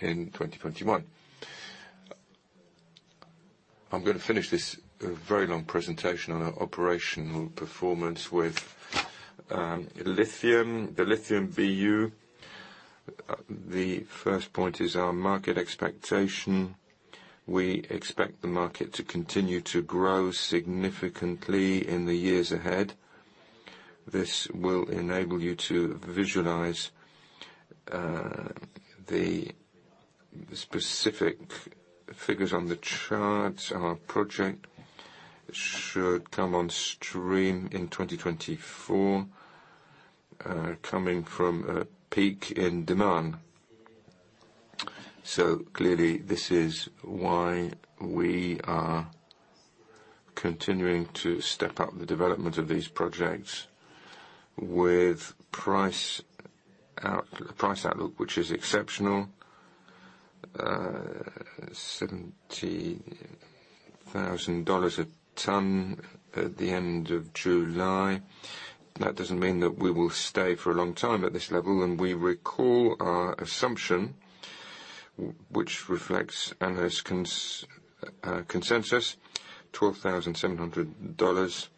in 2021. I'm gonna finish this very long presentation on our operational performance with lithium, the lithium BU. The first point is our market expectation. We expect the market to continue to grow significantly in the years ahead. This will enable you to visualize the specific figures on the chart. Our project should come on stream in 2024, coming from a peak in demand. Clearly this is why we are continuing to step up the development of these projects with price outlook, which is exceptional, $70,000 a ton at the end of July. That doesn't mean that we will stay for a long time at this level, and we recall our assumption which reflects analyst consensus $12,700.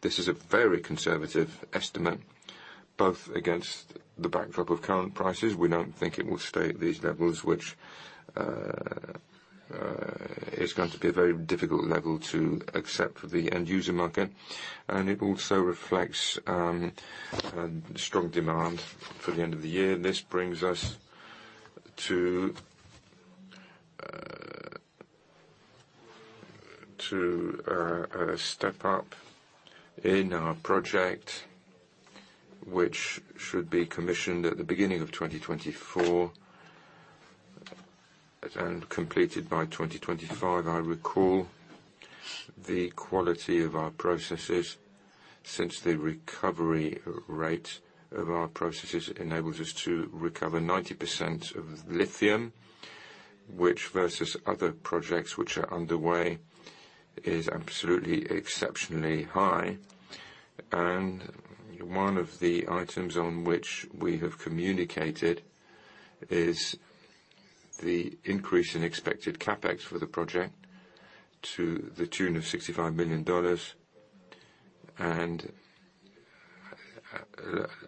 This is a very conservative estimate, both against the backdrop of current prices. We don't think it will stay at these levels, which is going to be a very difficult level to accept for the end user market. It also reflects a strong demand for the end of the year. This brings us to a step up in our project, which should be commissioned at the beginning of 2024 and completed by 2025. I recall the quality of our processes since the recovery rate of our processes enables us to recover 90% of lithium, which versus other projects which are underway, is absolutely exceptionally high. One of the items on which we have communicated is the increase in expected CapEx for the project to the tune of $65 million.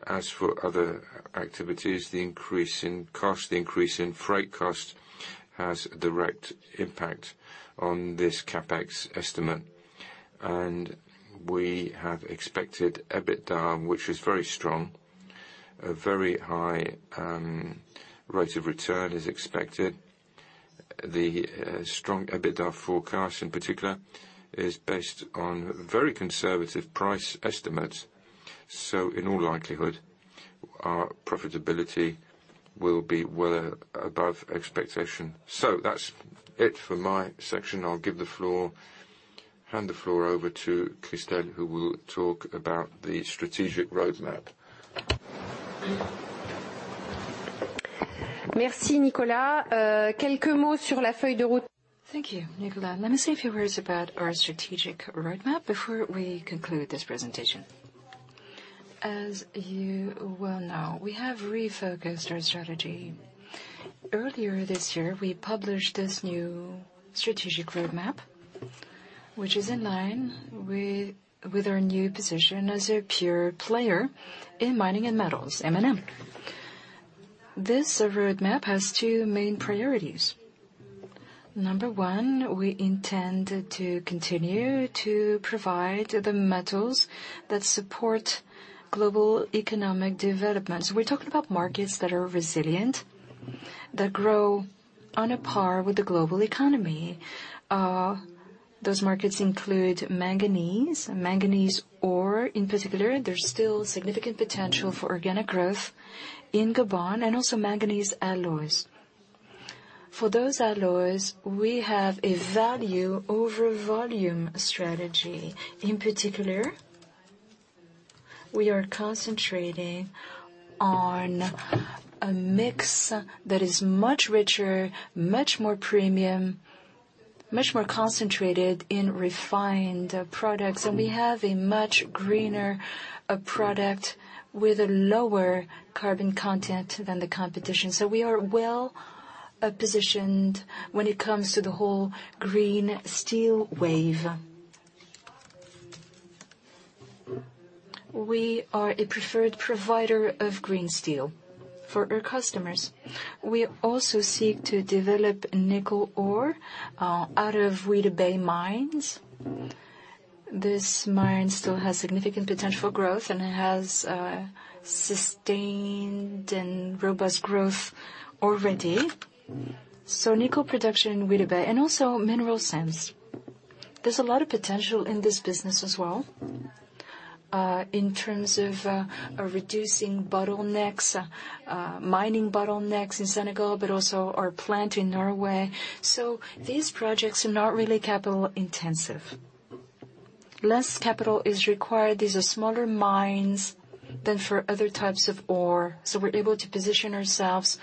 As for other activities, the increase in freight cost has a direct impact on this CapEx estimate. We have expected EBITDA, which is very strong. A very high rate of return is expected. The strong EBITDA forecast in particular is based on very conservative price estimates. In all likelihood, our profitability will be well above expectation. That's it for my section. I'll hand the floor over to Christel, who will talk about the strategic roadmap. Merci, Nicolas. Thank you, Nicolas. Let me say a few words about our strategic roadmap before we conclude this presentation. As you well know, we have refocused our strategy. Earlier this year, we published this new strategic roadmap, which is in line with our new position as a pure player in mining and metals, M&M. This roadmap has two main priorities. Number one, we intend to continue to provide the metals that support global economic development. We're talking about markets that are resilient, that grow on a par with the global economy. Those markets include manganese ore in particular. There's still significant potential for organic growth in Gabon and also manganese alloys. For those alloys, we have a value over volume strategy. In particular, we are concentrating on a mix that is much richer, much more premium, much more concentrated in refined products, and we have a much greener product with a lower carbon content than the competition. We are well-positioned when it comes to the whole green steel wave. We are a preferred provider of green steel for our customers. We also seek to develop nickel ore out of Weda Bay mines. This mine still has significant potential growth, and it has sustained and robust growth already. Nickel production in Weda Bay and also mineral sands. There's a lot of potential in this business as well, in terms of reducing bottlenecks, mining bottlenecks in Senegal, but also our plant in Norway. These projects are not really capital-intensive. Less capital is required. These are smaller mines than for other types of ore, so we're able to position ourselves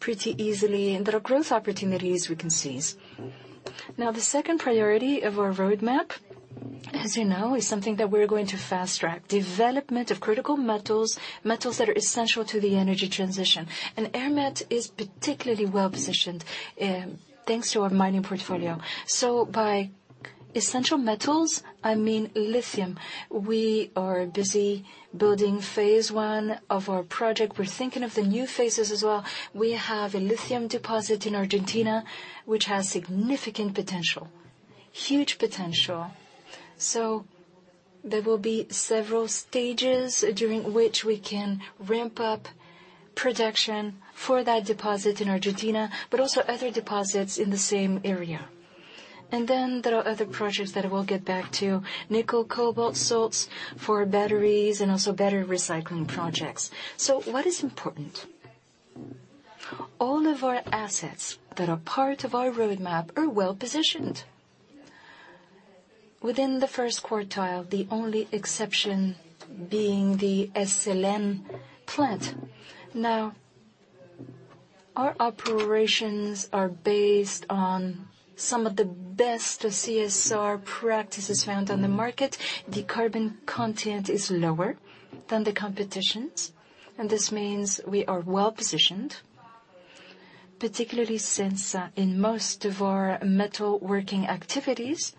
pretty easily and there are growth opportunities we can seize. Now, the second priority of our roadmap, as you know, is something that we're going to fast-track. Development of critical metals that are essential to the energy transition. Eramet is particularly well-positioned, thanks to our mining portfolio. By essential metals, I mean lithium. We are busy building phase one of our project. We're thinking of the new phases as well. We have a lithium deposit in Argentina, which has significant potential, huge potential. There will be several stages during which we can ramp up production for that deposit in Argentina, but also other deposits in the same area. Then there are other projects that we'll get back to. Nickel, cobalt, salts for batteries and also battery recycling projects. What is important? All of our assets that are part of our roadmap are well-positioned. Within the first quartile, the only exception being the SLN plant. Now, our operations are based on some of the best CSR practices found on the market. The carbon content is lower than the competition's, and this means we are well-positioned, particularly since, in most of our metalworking activities,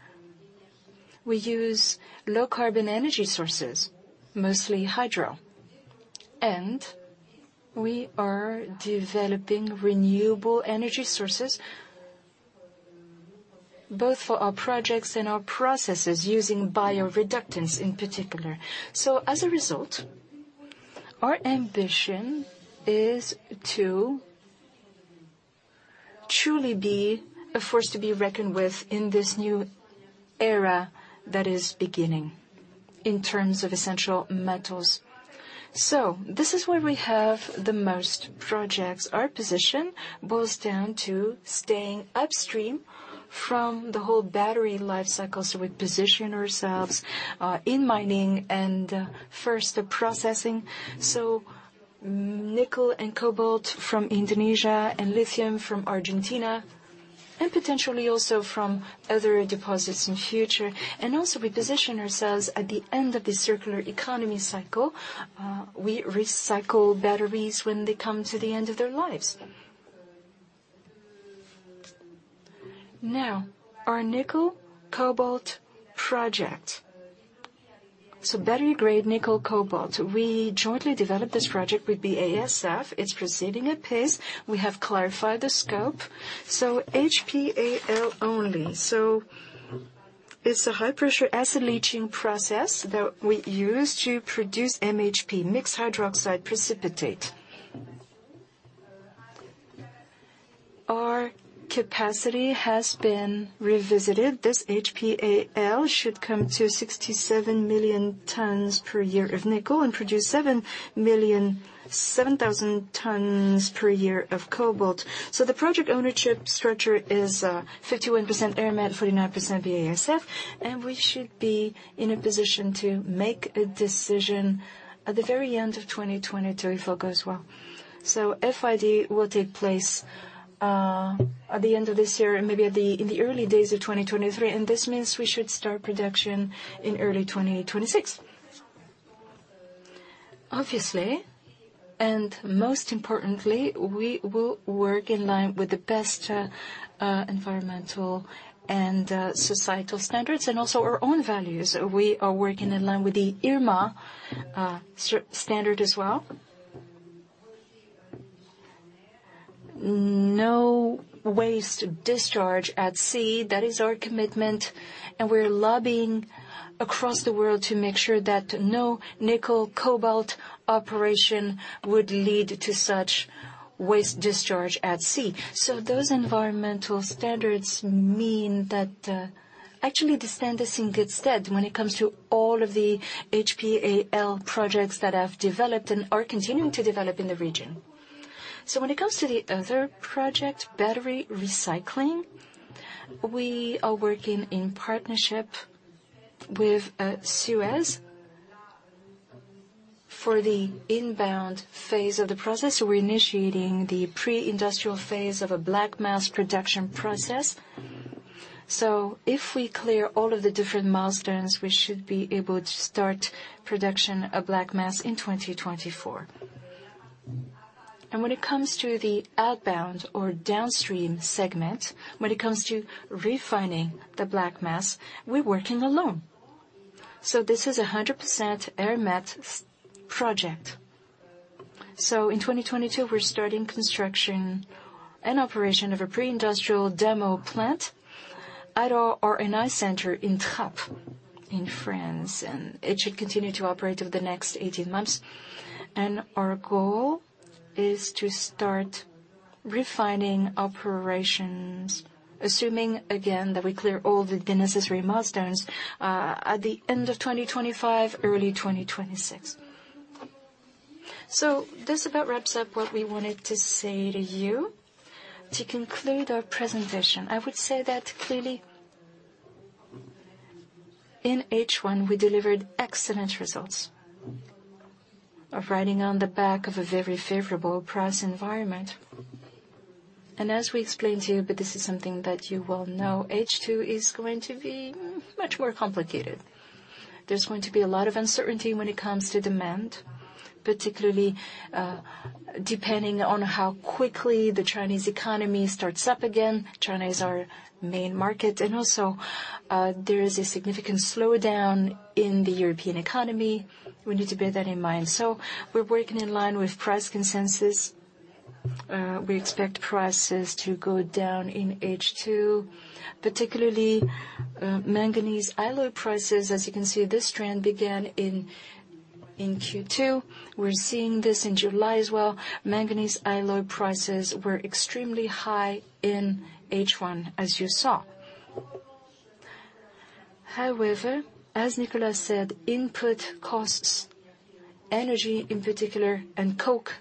we use low-carbon energy sources, mostly hydro. We are developing renewable energy sources both for our projects and our processes, using bioreductants in particular. As a result, our ambition is to truly be a force to be reckoned with in this new era that is beginning in terms of essential metals. This is where we have the most projects. Our position boils down to staying upstream from the whole battery life cycle, so we position ourselves in mining and first processing, so nickel and cobalt from Indonesia and lithium from Argentina, and potentially also from other deposits in future. Also we position ourselves at the end of the circular economy cycle. We recycle batteries when they come to the end of their lives. Now, our nickel cobalt project. Battery-grade nickel cobalt. We jointly developed this project with BASF. It's proceeding apace. We have clarified the scope. HPAL only. It's a high-pressure acid leaching process that we use to produce MHP, mixed hydroxide precipitate. Our capacity has been revisited. This HPAL should come to 67 million tons per year of nickel and produce 7.7 million tons per year of cobalt. The project ownership structure is 51% Eramet, 49% BASF, and we should be in a position to make a decision at the very end of 2023 if all goes well. FID will take place at the end of this year and maybe in the early days of 2023, and this means we should start production in early 2026. Obviously, most importantly, we will work in line with the best environmental and societal standards and also our own values. We are working in line with the IRMA standard as well. No waste discharge at sea. That is our commitment. We're lobbying across the world to make sure that no nickel cobalt operation would lead to such waste discharge at sea. Those environmental standards mean that, actually the standard is in good stead when it comes to all of the HPAL projects that have developed and are continuing to develop in the region. When it comes to the other project, battery recycling, we are working in partnership with, SUEZ for the inbound phase of the process. We're initiating the pre-industrial phase of a black mass production process. If we clear all of the different milestones, we should be able to start production of black mass in 2024. When it comes to the outbound or downstream segment, when it comes to refining the black mass, we're working alone. This is a 100% Eramet project. In 2022, we're starting construction and operation of a pre-industrial demo plant at our R&I center in Trappes in France, and it should continue to operate over the next 18 months. Our goal is to start refining operations, assuming again that we clear all the necessary milestones, at the end of 2025, early 2026. This about wraps up what we wanted to say to you. To conclude our presentation, I would say that clearly in H1, we delivered excellent results riding on the back of a very favorable price environment. As we explained to you, but this is something that you well know, H2 is going to be much more complicated. There's going to be a lot of uncertainty when it comes to demand, particularly, depending on how quickly the Chinese economy starts up again. China is our main market. There is a significant slowdown in the European economy. We need to bear that in mind. We're working in line with price consensus. We expect prices to go down in H2. Particularly, manganese alloy prices, as you can see, this trend began in Q2. We're seeing this in July as well. Manganese alloy prices were extremely high in H1, as you saw. However, as Nicolas said, input costs, energy in particular and coke,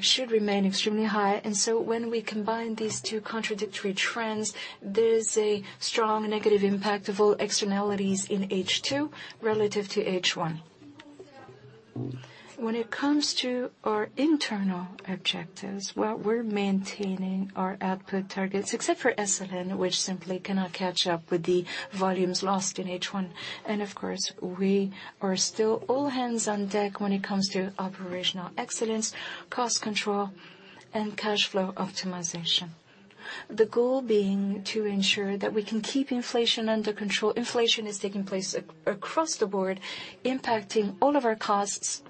should remain extremely high. When we combine these two contradictory trends, there's a strong negative impact of all externalities in H2 relative to H1. When it comes to our internal objectives, well, we're maintaining our output targets except for SLN, which simply cannot catch up with the volumes lost in H1. Of course, we are still all hands on deck when it comes to operational excellence, cost control, and cash flow optimization. The goal being to ensure that we can keep inflation under control. Inflation is taking place across the board, impacting all of our costs.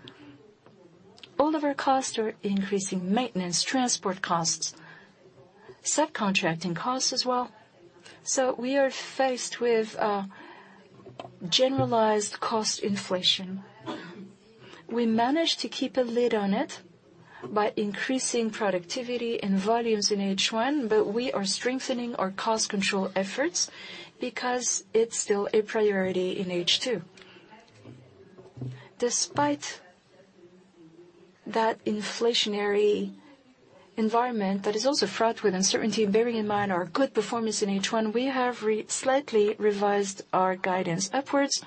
All of our costs are increasing, maintenance, transport costs, subcontracting costs as well. We are faced with generalized cost inflation. We managed to keep a lid on it by increasing productivity and volumes in H1, but we are strengthening our cost control efforts because it's still a priority in H2. Despite that inflationary environment that is also fraught with uncertainty and bearing in mind our good performance in H1, we have slightly revised our guidance upwards.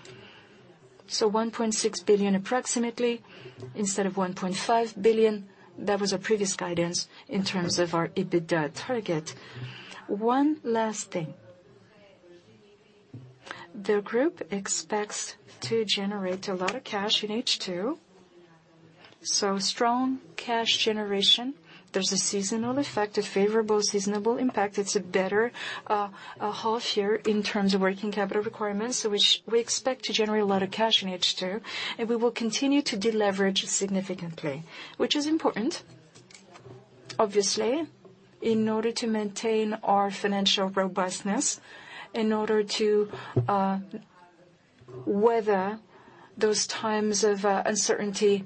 1.6 billion approximately instead of 1.5 billion. That was our previous guidance in terms of our EBITDA target. One last thing. The group expects to generate a lot of cash in H2, so strong cash generation. There's a seasonal effect, a favorable seasonal impact. It's a better half year in terms of working capital requirements, so which we expect to generate a lot of cash in H2, and we will continue to deleverage significantly, which is important, obviously, in order to maintain our financial robustness. In order to weather those times of uncertainty,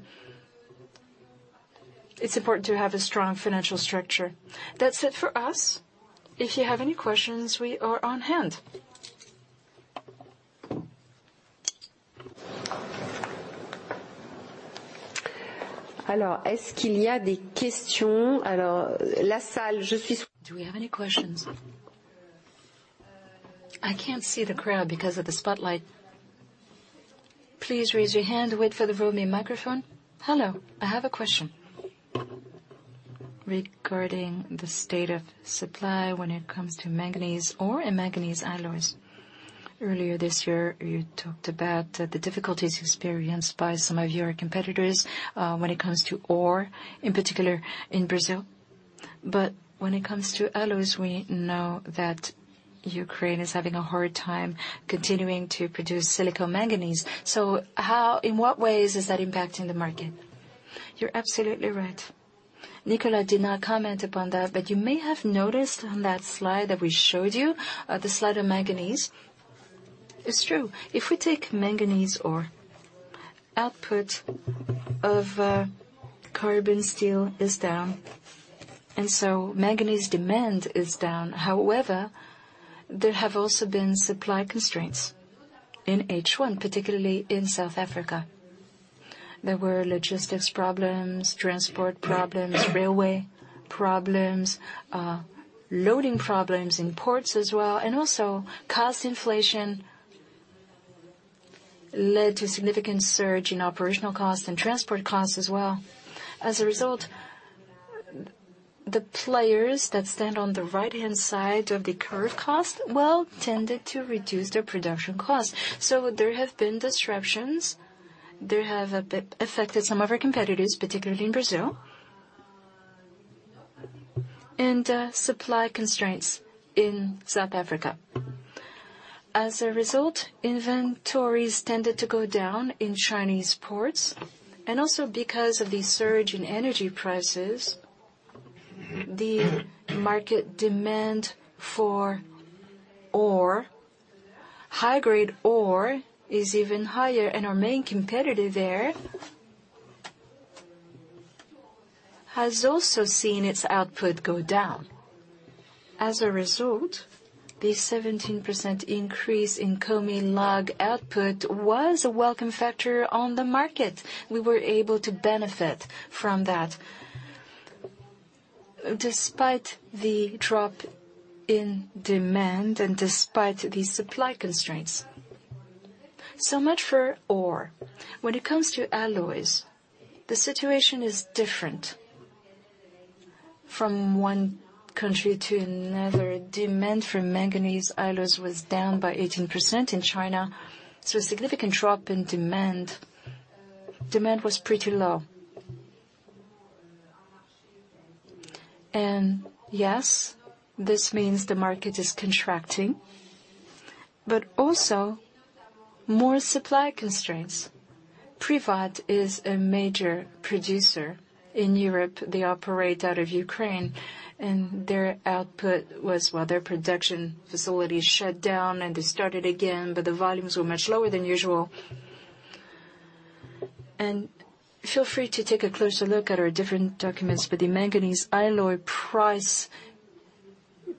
it's important to have a strong financial structure. That's it for us. If you have any questions, we are on hand. Do we have any questions? I can't see the crowd because of the spotlight. Please raise your hand, wait for the roaming microphone. Hello. I have a question regarding the state of supply when it comes to manganese ore and manganese alloys. Earlier this year, you talked about the difficulties experienced by some of your competitors when it comes to ore, in particular in Brazil. But when it comes to alloys, we know that Ukraine is having a hard time continuing to produce silicomanganese. So, in what ways is that impacting the market? You're absolutely right. Nicolas did not comment upon that, but you may have noticed on that slide that we showed you, the slide on manganese. It's true. If we take manganese ore, output of carbon steel is down, and so manganese demand is down. However, there have also been supply constraints in H1, particularly in South Africa. There were logistics problems, transport problems, railway problems, loading problems in ports as well, and also cost inflation led to a significant surge in operational costs and transport costs as well. As a result, the players that stand on the right-hand side of the cost curve tended to reduce their production costs. There have been disruptions. They have a bit affected some of our competitors, particularly in Brazil and supply constraints in South Africa. As a result, inventories tended to go down in Chinese ports, and also because of the surge in energy prices, the market demand for ore, high-grade ore, is even higher, and our main competitor there has also seen its output go down. As a result, the 17% increase in Comilog output was a welcome factor on the market. We were able to benefit from that despite the drop in demand and despite the supply constraints. Much for ore. When it comes to alloys, the situation is different from one country to another. Demand for manganese alloys was down by 18% in China, so a significant drop in demand. Demand was pretty low. Yes, this means the market is contracting, but also more supply constraints. Privat is a major producer in Europe. They operate out of Ukraine, and their output was well, their production facility shut down, and they started again, but the volumes were much lower than usual. Feel free to take a closer look at our different documents, but the manganese alloy price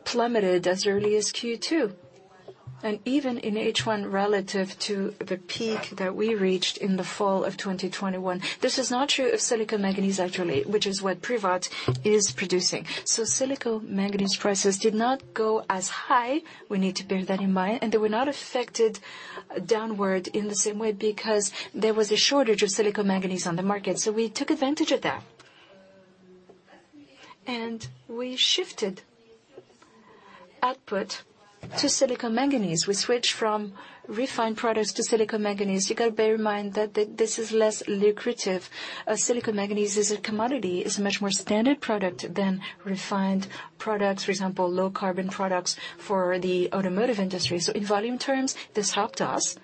plummeted as early as Q2 and even in H1 relative to the peak that we reached in the fall of 2021. This is not true of silicon manganese, actually, which is what Privat is producing. Silicon manganese prices did not go as high. We need to bear that in mind. They were not affected downward in the same way because there was a shortage of silicon manganese on the market, so we took advantage of that. We shifted output to silicon manganese. We switched from refined products to silicon manganese. You got to bear in mind that this is less lucrative. Silicon manganese is a commodity. It's a much more standard product than refined products, for example, low carbon products for the automotive industry. In volume terms, this helped us,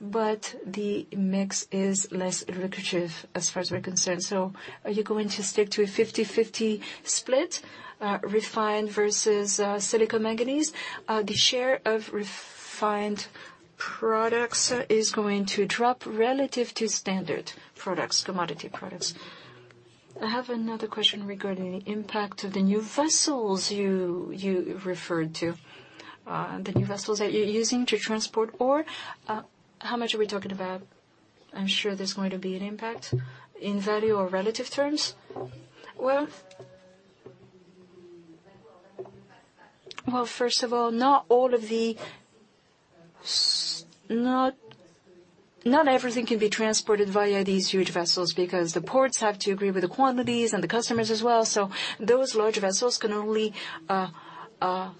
but the mix is less lucrative as far as we're concerned. Are you going to stick to a 50/50 split, refined versus silicon manganese? The share of refined products is going to drop relative to standard products, commodity products. I have another question regarding the impact of the new vessels you referred to. The new vessels that you're using to transport ore. How much are we talking about? I'm sure there's going to be an impact in value or relative terms. Well, first of all, not everything can be transported via these huge vessels because the ports have to agree with the quantities and the customers as well. So those large vessels can only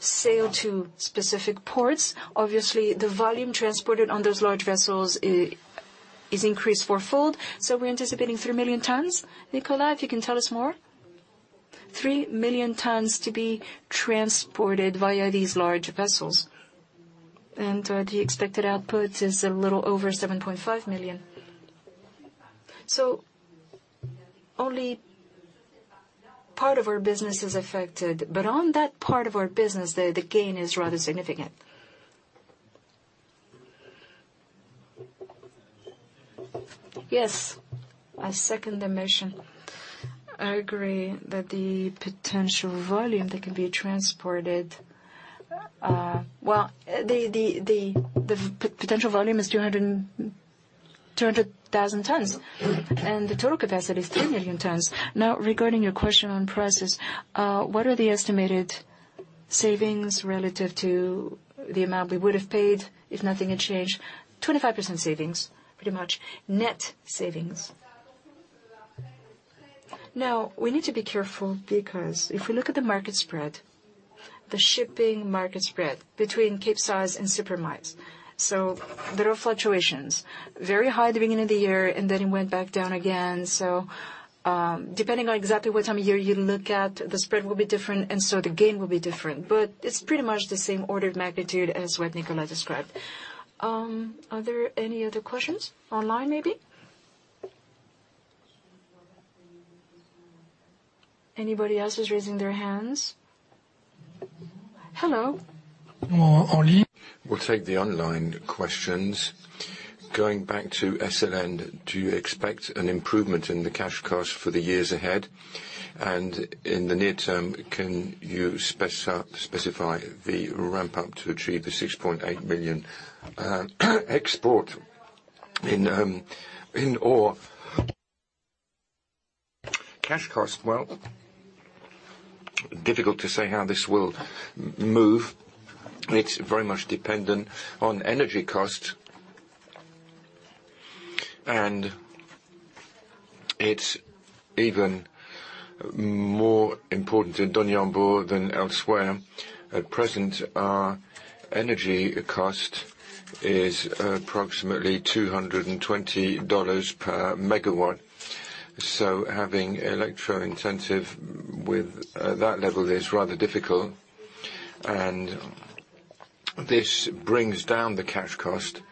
sail to specific ports. Obviously, the volume transported on those large vessels is increased fourfold. So we're anticipating 3 million tons. Nicolas, if you can tell us more. 3 million tons to be transported via these large vessels. The expected output is a little over 7.5 million. Only part of our business is affected, but on that part of our business, the gain is rather significant. Yes, I second the motion. I agree that the potential volume that can be transported, well, the potential volume is 200,000 tons, and the total capacity is 3 million tons. Now, regarding your question on prices, what are the estimated savings relative to the amount we would have paid if nothing had changed? 25% savings, pretty much. Net savings. Now, we need to be careful because if we look at the market spread, the shipping market spread between Capesize and Supramax. There are fluctuations, very high at the beginning of the year, and then it went back down again. Depending on exactly what time of year you look at, the spread will be different and so the gain will be different. It's pretty much the same order of magnitude as what Nicolas described. Are there any other questions online, maybe? Anybody else is raising their hands? Hello. We'll take the online questions. Going back to SLN, do you expect an improvement in the cash cost for the years ahead? In the near term, can you specify the ramp-up to achieve the 6.8 million export in ore? Cash cost, well, difficult to say how this will move. It's very much dependent on energy cost. It's even more important in Doniambo than elsewhere. At present, our energy cost is approximately $220 per MW. So having electro-intensive with that level is rather difficult. This brings down the cash cost.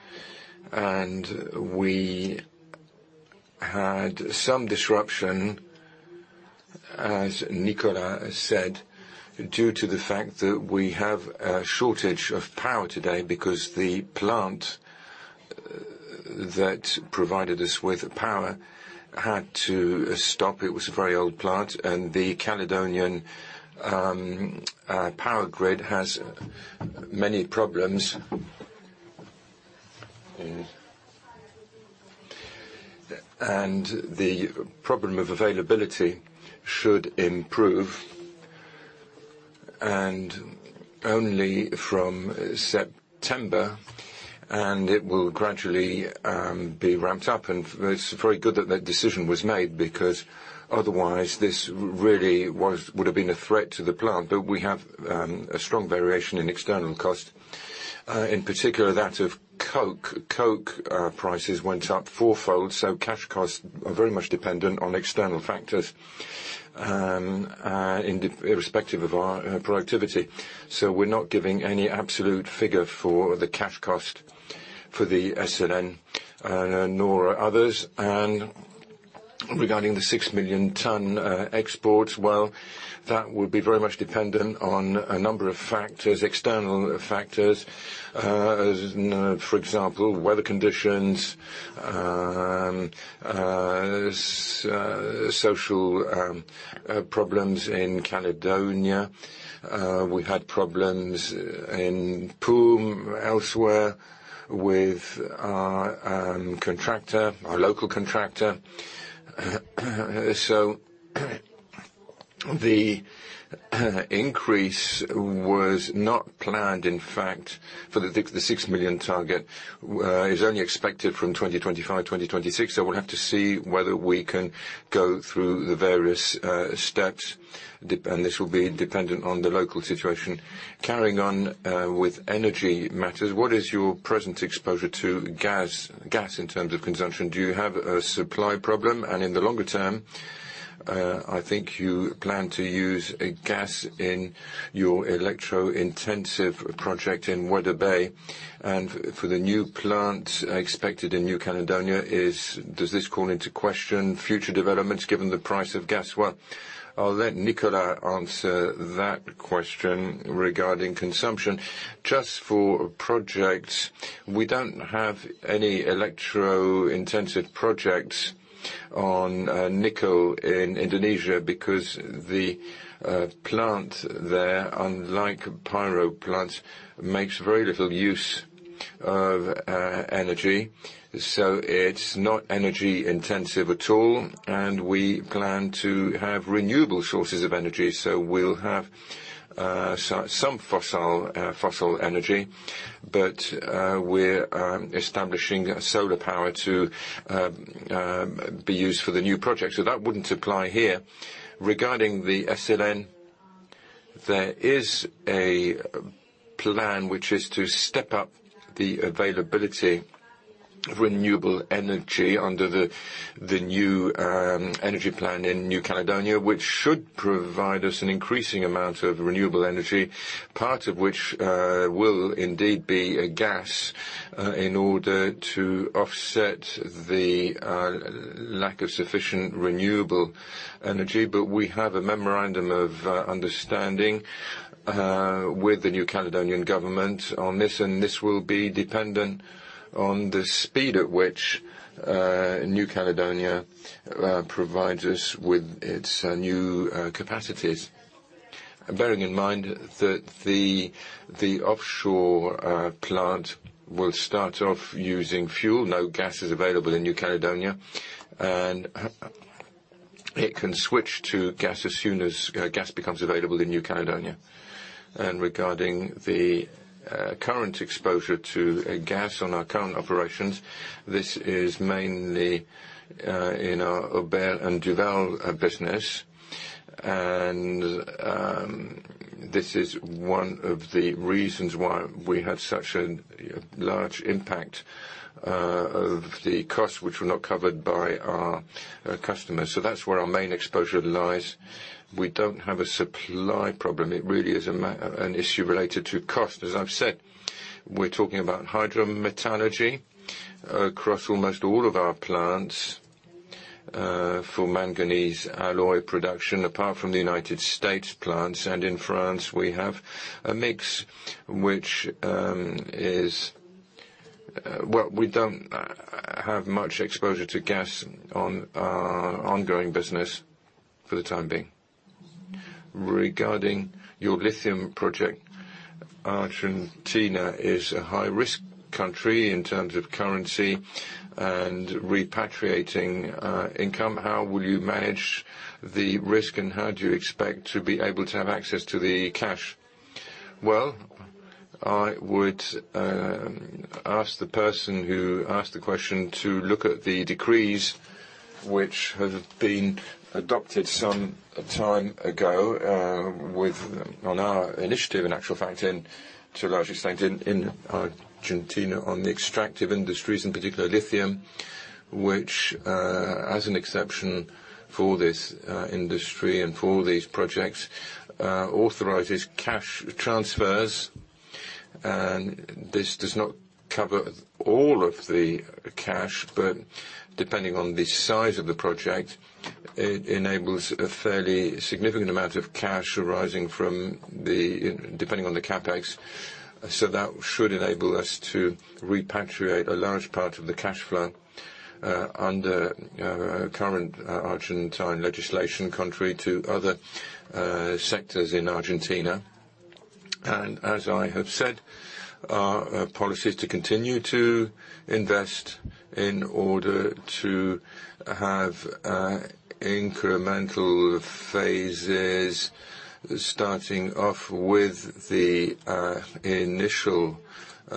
We had some disruption, as Nicolas said, due to the fact that we have a shortage of power today because the plant that provided us with power had to stop. It was a very old plant, and the Caledonian power grid has many problems. The problem of availability should improve, and only from September, and it will gradually be ramped up. It's very good that that decision was made because otherwise this really would have been a threat to the plant. We have a strong variation in external cost, in particular that of coke. Coke prices went up fourfold, so cash costs are very much dependent on external factors, irrespective of our productivity. We're not giving any absolute figure for the cash cost for the SLN, nor others. Regarding the 6 million ton exports, well, that would be very much dependent on a number of factors, external factors, as, for example, weather conditions, social problems in Caledonia. We had problems in Poum, elsewhere with our contractor, our local contractor. Increase was not planned, in fact, for the 6 million target is only expected from 2025, 2026. We'll have to see whether we can go through the various steps and this will be dependent on the local situation. Carrying on with energy matters, what is your present exposure to gas in terms of consumption? Do you have a supply problem? In the longer term, I think you plan to use gas in your electro-intensive project in Weda Bay and for the new plant expected in New Caledonia. Does this call into question future developments given the price of gas? Well, I'll let Nicolas answer that question regarding consumption. Just for projects, we don't have any electro-intensive projects on nickel in Indonesia because the plant there, unlike pyro plants, makes very little use of energy. It's not energy intensive at all, and we plan to have renewable sources of energy. We'll have some fossil energy, but we're establishing solar power to be used for the new project. That wouldn't apply here. Regarding the SLN, there is a plan which is to step up the availability of renewable energy under the new energy plan in New Caledonia, which should provide us an increasing amount of renewable energy, part of which will indeed be gas in order to offset the lack of sufficient renewable energy. We have a memorandum of understanding with the New Caledonian government on this, and this will be dependent on the speed at which New Caledonia provides us with its new capacities. Bearing in mind that the offshore plant will start off using fuel, no gas is available in New Caledonia, and it can switch to gas as soon as gas becomes available in New Caledonia. Regarding the current exposure to gas on our current operations, this is mainly in our Aubert & Duval business. This is one of the reasons why we had such a large impact of the costs which were not covered by our customers. That's where our main exposure lies. We don't have a supply problem. It really is an issue related to cost. As I've said, we're talking about hydrometallurgy across almost all of our plants for manganese alloy production, apart from the United States plants. In France, we have a mix which is. Well, we don't have much exposure to gas on our ongoing business for the time being. Regarding your lithium project, Argentina is a high-risk country in terms of currency and repatriating income. How will you manage the risk, and how do you expect to be able to have access to the cash? Well, I would ask the person who asked the question to look at the decrees which have been adopted some time ago, on our initiative, in actual fact, in Argentina on the extractive industries, in particular lithium. Which, as an exception for this industry and for these projects, authorizes cash transfers, and this does not cover all of the cash, but depending on the size of the project, it enables a fairly significant amount of cash arising from the depending on the CapEx. That should enable us to repatriate a large part of the cash flow under current Argentine legislation contrary to other sectors in Argentina. As I have said, our policy is to continue to invest in order to have incremental phases starting off with the initial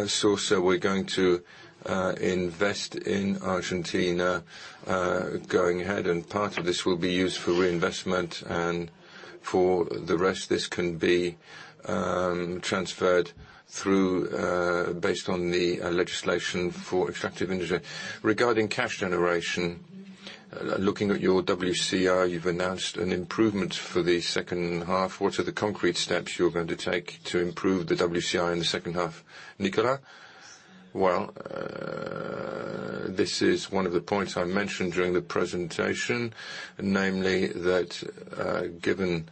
source that we're going to invest in Argentina going ahead. Part of this will be used for reinvestment and for the rest, this can be transferred through based on the legislation for extractive industry. Regarding cash generation, looking at your WCR, you've announced an improvement for the second half. What are the concrete steps you're going to take to improve the WCR in the second half? Nicolas? Well, this is one of the points I mentioned during the presentation, namely that, given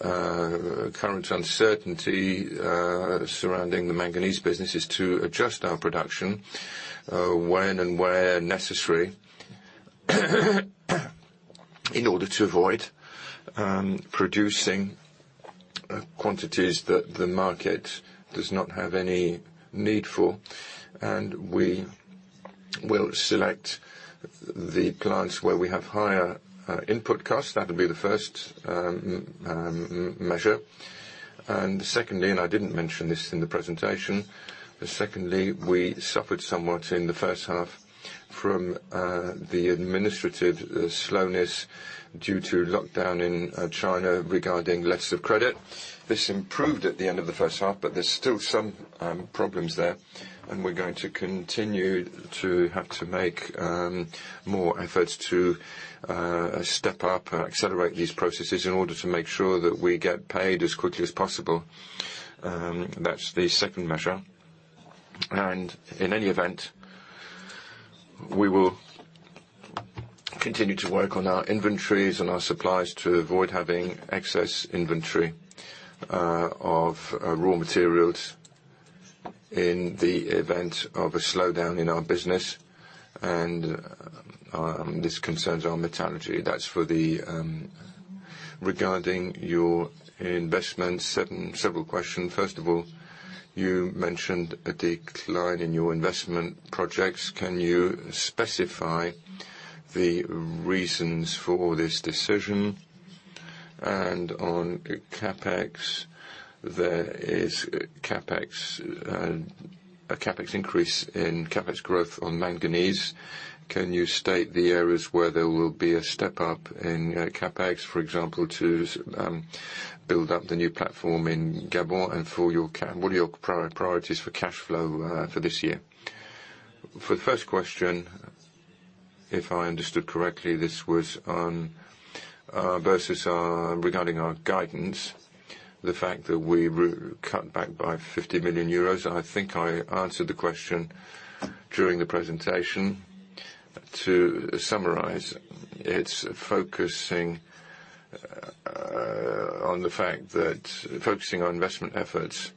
current uncertainty surrounding the manganese business, is to adjust our production when and where necessary in order to avoid producing quantities that the market does not have any need for. We'll select the plants where we have higher input costs. That'll be the first measure. Secondly, and I didn't mention this in the presentation, but secondly, we suffered somewhat in the first half from the administrative slowness due to lockdown in China regarding letters of credit. This improved at the end of the first half, but there's still some problems there, and we're going to continue to have to make more efforts to step up, accelerate these processes in order to make sure that we get paid as quickly as possible. That's the second measure. In any event, we will continue to work on our inventories and our suppliers to avoid having excess inventory of raw materials in the event of a slowdown in our business. This concerns our metallurgy. That's for the... Regarding your investment, several questions. First of all, you mentioned a decline in your investment projects. Can you specify the reasons for this decision? On CapEx, there is a CapEx increase in CapEx growth on manganese. Can you state the areas where there will be a step up in CapEx, for example, to build up the new platform in Gabon and what are your priorities for cash flow for this year? For the first question, if I understood correctly, this was on versus regarding our guidance, the fact that we cut back by 50 million euros. I think I answered the question during the presentation. To summarize, focusing our investment efforts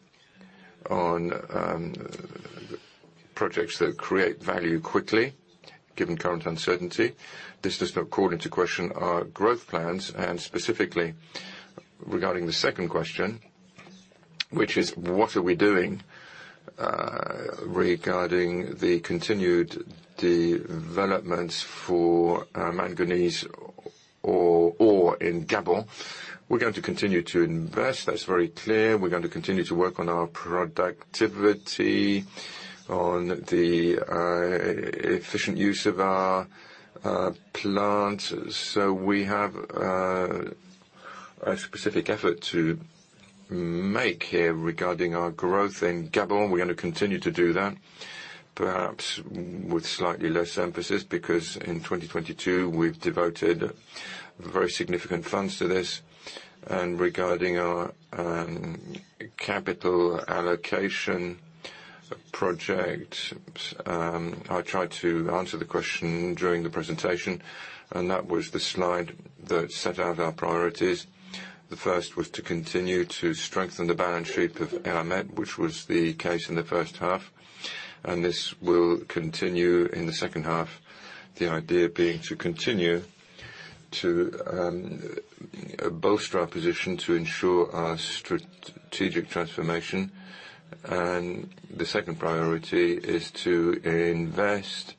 on projects that create value quickly, given current uncertainty. This does not call into question our growth plans. Specifically regarding the second question, which is what are we doing regarding the continued developments for manganese ore in Gabon, we're going to continue to invest. That's very clear. We're going to continue to work on our productivity, on the efficient use of our plants. We have a specific effort to make here regarding our growth in Gabon. We're gonna continue to do that, perhaps with slightly less emphasis, because in 2022, we've devoted very significant funds to this. Regarding our capital allocation project, I tried to answer the question during the presentation, and that was the slide that set out our priorities. The first was to continue to strengthen the balance sheet of Eramet, which was the case in the first half, and this will continue in the second half. The idea being to continue to bolster our position to ensure our strategic transformation. The second priority is to invest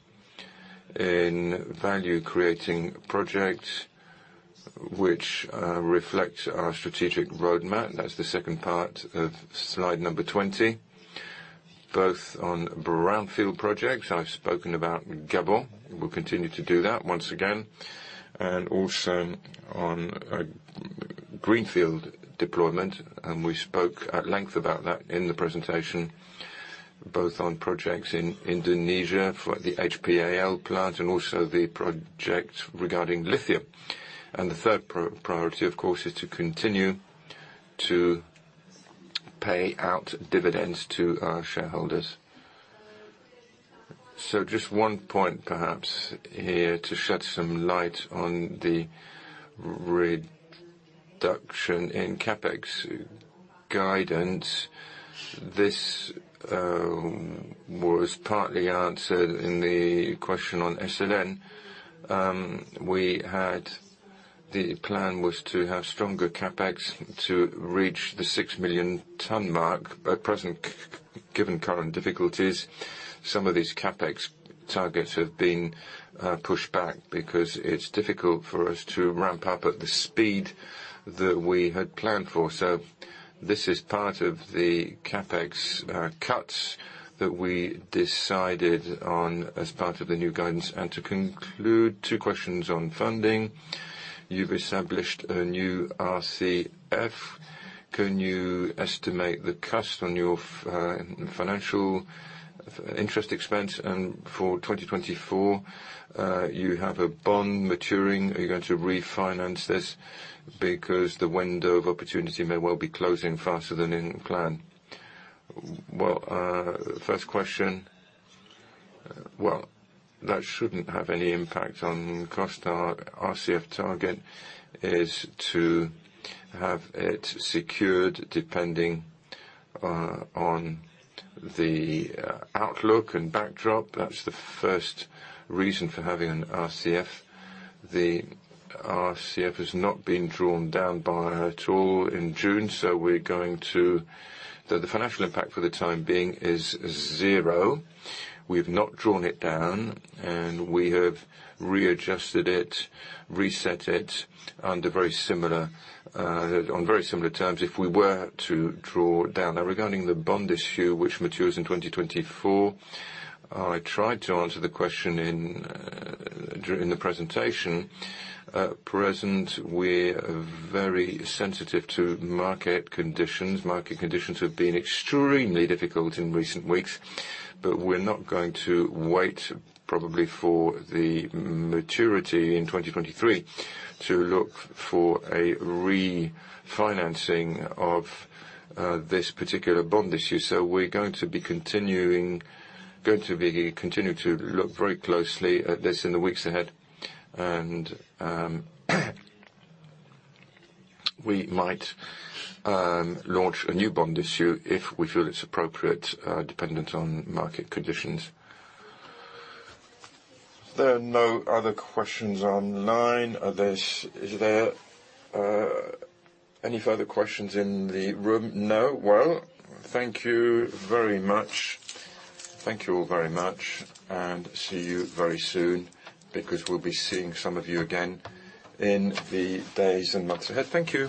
in value-creating projects which reflect our strategic roadmap. That's the second part of slide number 20, both on brownfield projects I've spoken about in Gabon. We'll continue to do that once again. Also on a greenfield deployment, and we spoke at length about that in the presentation, both on projects in Indonesia for the HPAL plant and also the project regarding lithium. The third priority, of course, is to continue to pay out dividends to our shareholders. Just one point perhaps here to shed some light on the reduction in CapEx guidance. This was partly answered in the question on SLN. The plan was to have stronger CapEx to reach the 6 million ton mark. At present, given current difficulties, some of these CapEx targets have been pushed back because it's difficult for us to ramp up at the speed that we had planned for. This is part of the CapEx cuts that we decided on as part of the new guidance. To conclude, two questions on funding. You've established a new RCF. Can you estimate the cost on your financial interest expense? For 2024, you have a bond maturing. Are you going to refinance this because the window of opportunity may well be closing faster than in plan? First question, that shouldn't have any impact on cost. Our RCF target is to have it secured depending on the outlook and backdrop. That's the first reason for having an RCF. The RCF has not been drawn down at all in June. The financial impact for the time being is zero. We've not drawn it down, and we have readjusted it, reset it under very similar terms if we were to draw down. Now, regarding the bond issue which matures in 2024, I tried to answer the question during the presentation. At present, we're very sensitive to market conditions. Market conditions have been extremely difficult in recent weeks. We're not going to wait probably for the maturity in 2023 to look for a refinancing of this particular bond issue. We're going to continue to look very closely at this in the weeks ahead. We might launch a new bond issue if we feel it's appropriate, dependent on market conditions. There are no other questions online. Is there any further questions in the room? No. Well, thank you very much. Thank you all very much. See you very soon because we'll be seeing some of you again in the days and months ahead. Thank you.